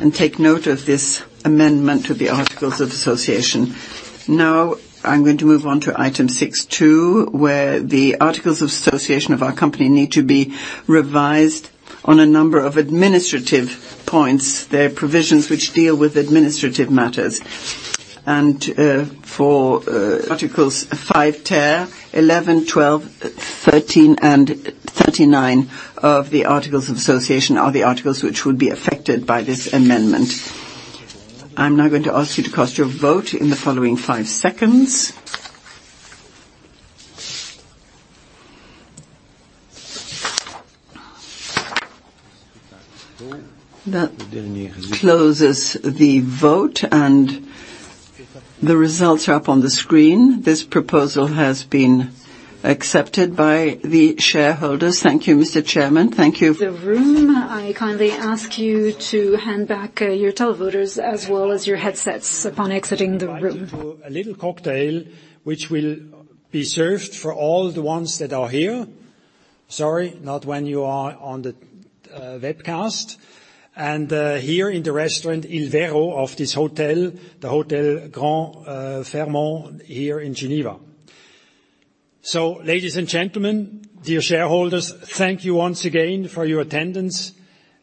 and take note of this amendment to the Articles of Association? Now, I'm going to move on to item 6.2, where the Articles of Association of our company need to be revised on a number of administrative points, their provisions which deal with administrative matters. And for articles 5 ter, 11, 12, 13, and 39 of the Articles of Association are the articles which would be affected by this amendment. I'm now going to ask you to cast your vote in the following five seconds. Le dernier résultat. Closes the vote, and the results are up on the screen. This proposal has been accepted by the shareholders. Thank you, Mr. Chairman. Thank you. The room, I kindly ask you to hand back your televoters as well as your headsets upon exiting the room. A little cocktail which will be served for all the ones that are here. Sorry, not when you are on the webcast. Here in the restaurant Il Vero of this hotel, the Fairmont Grand Hotel Geneva here in Geneva. Ladies and gentlemen, dear shareholders, thank you once again for your attendance,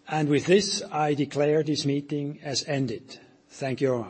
and with this, I declare this meeting as ended. Thank you.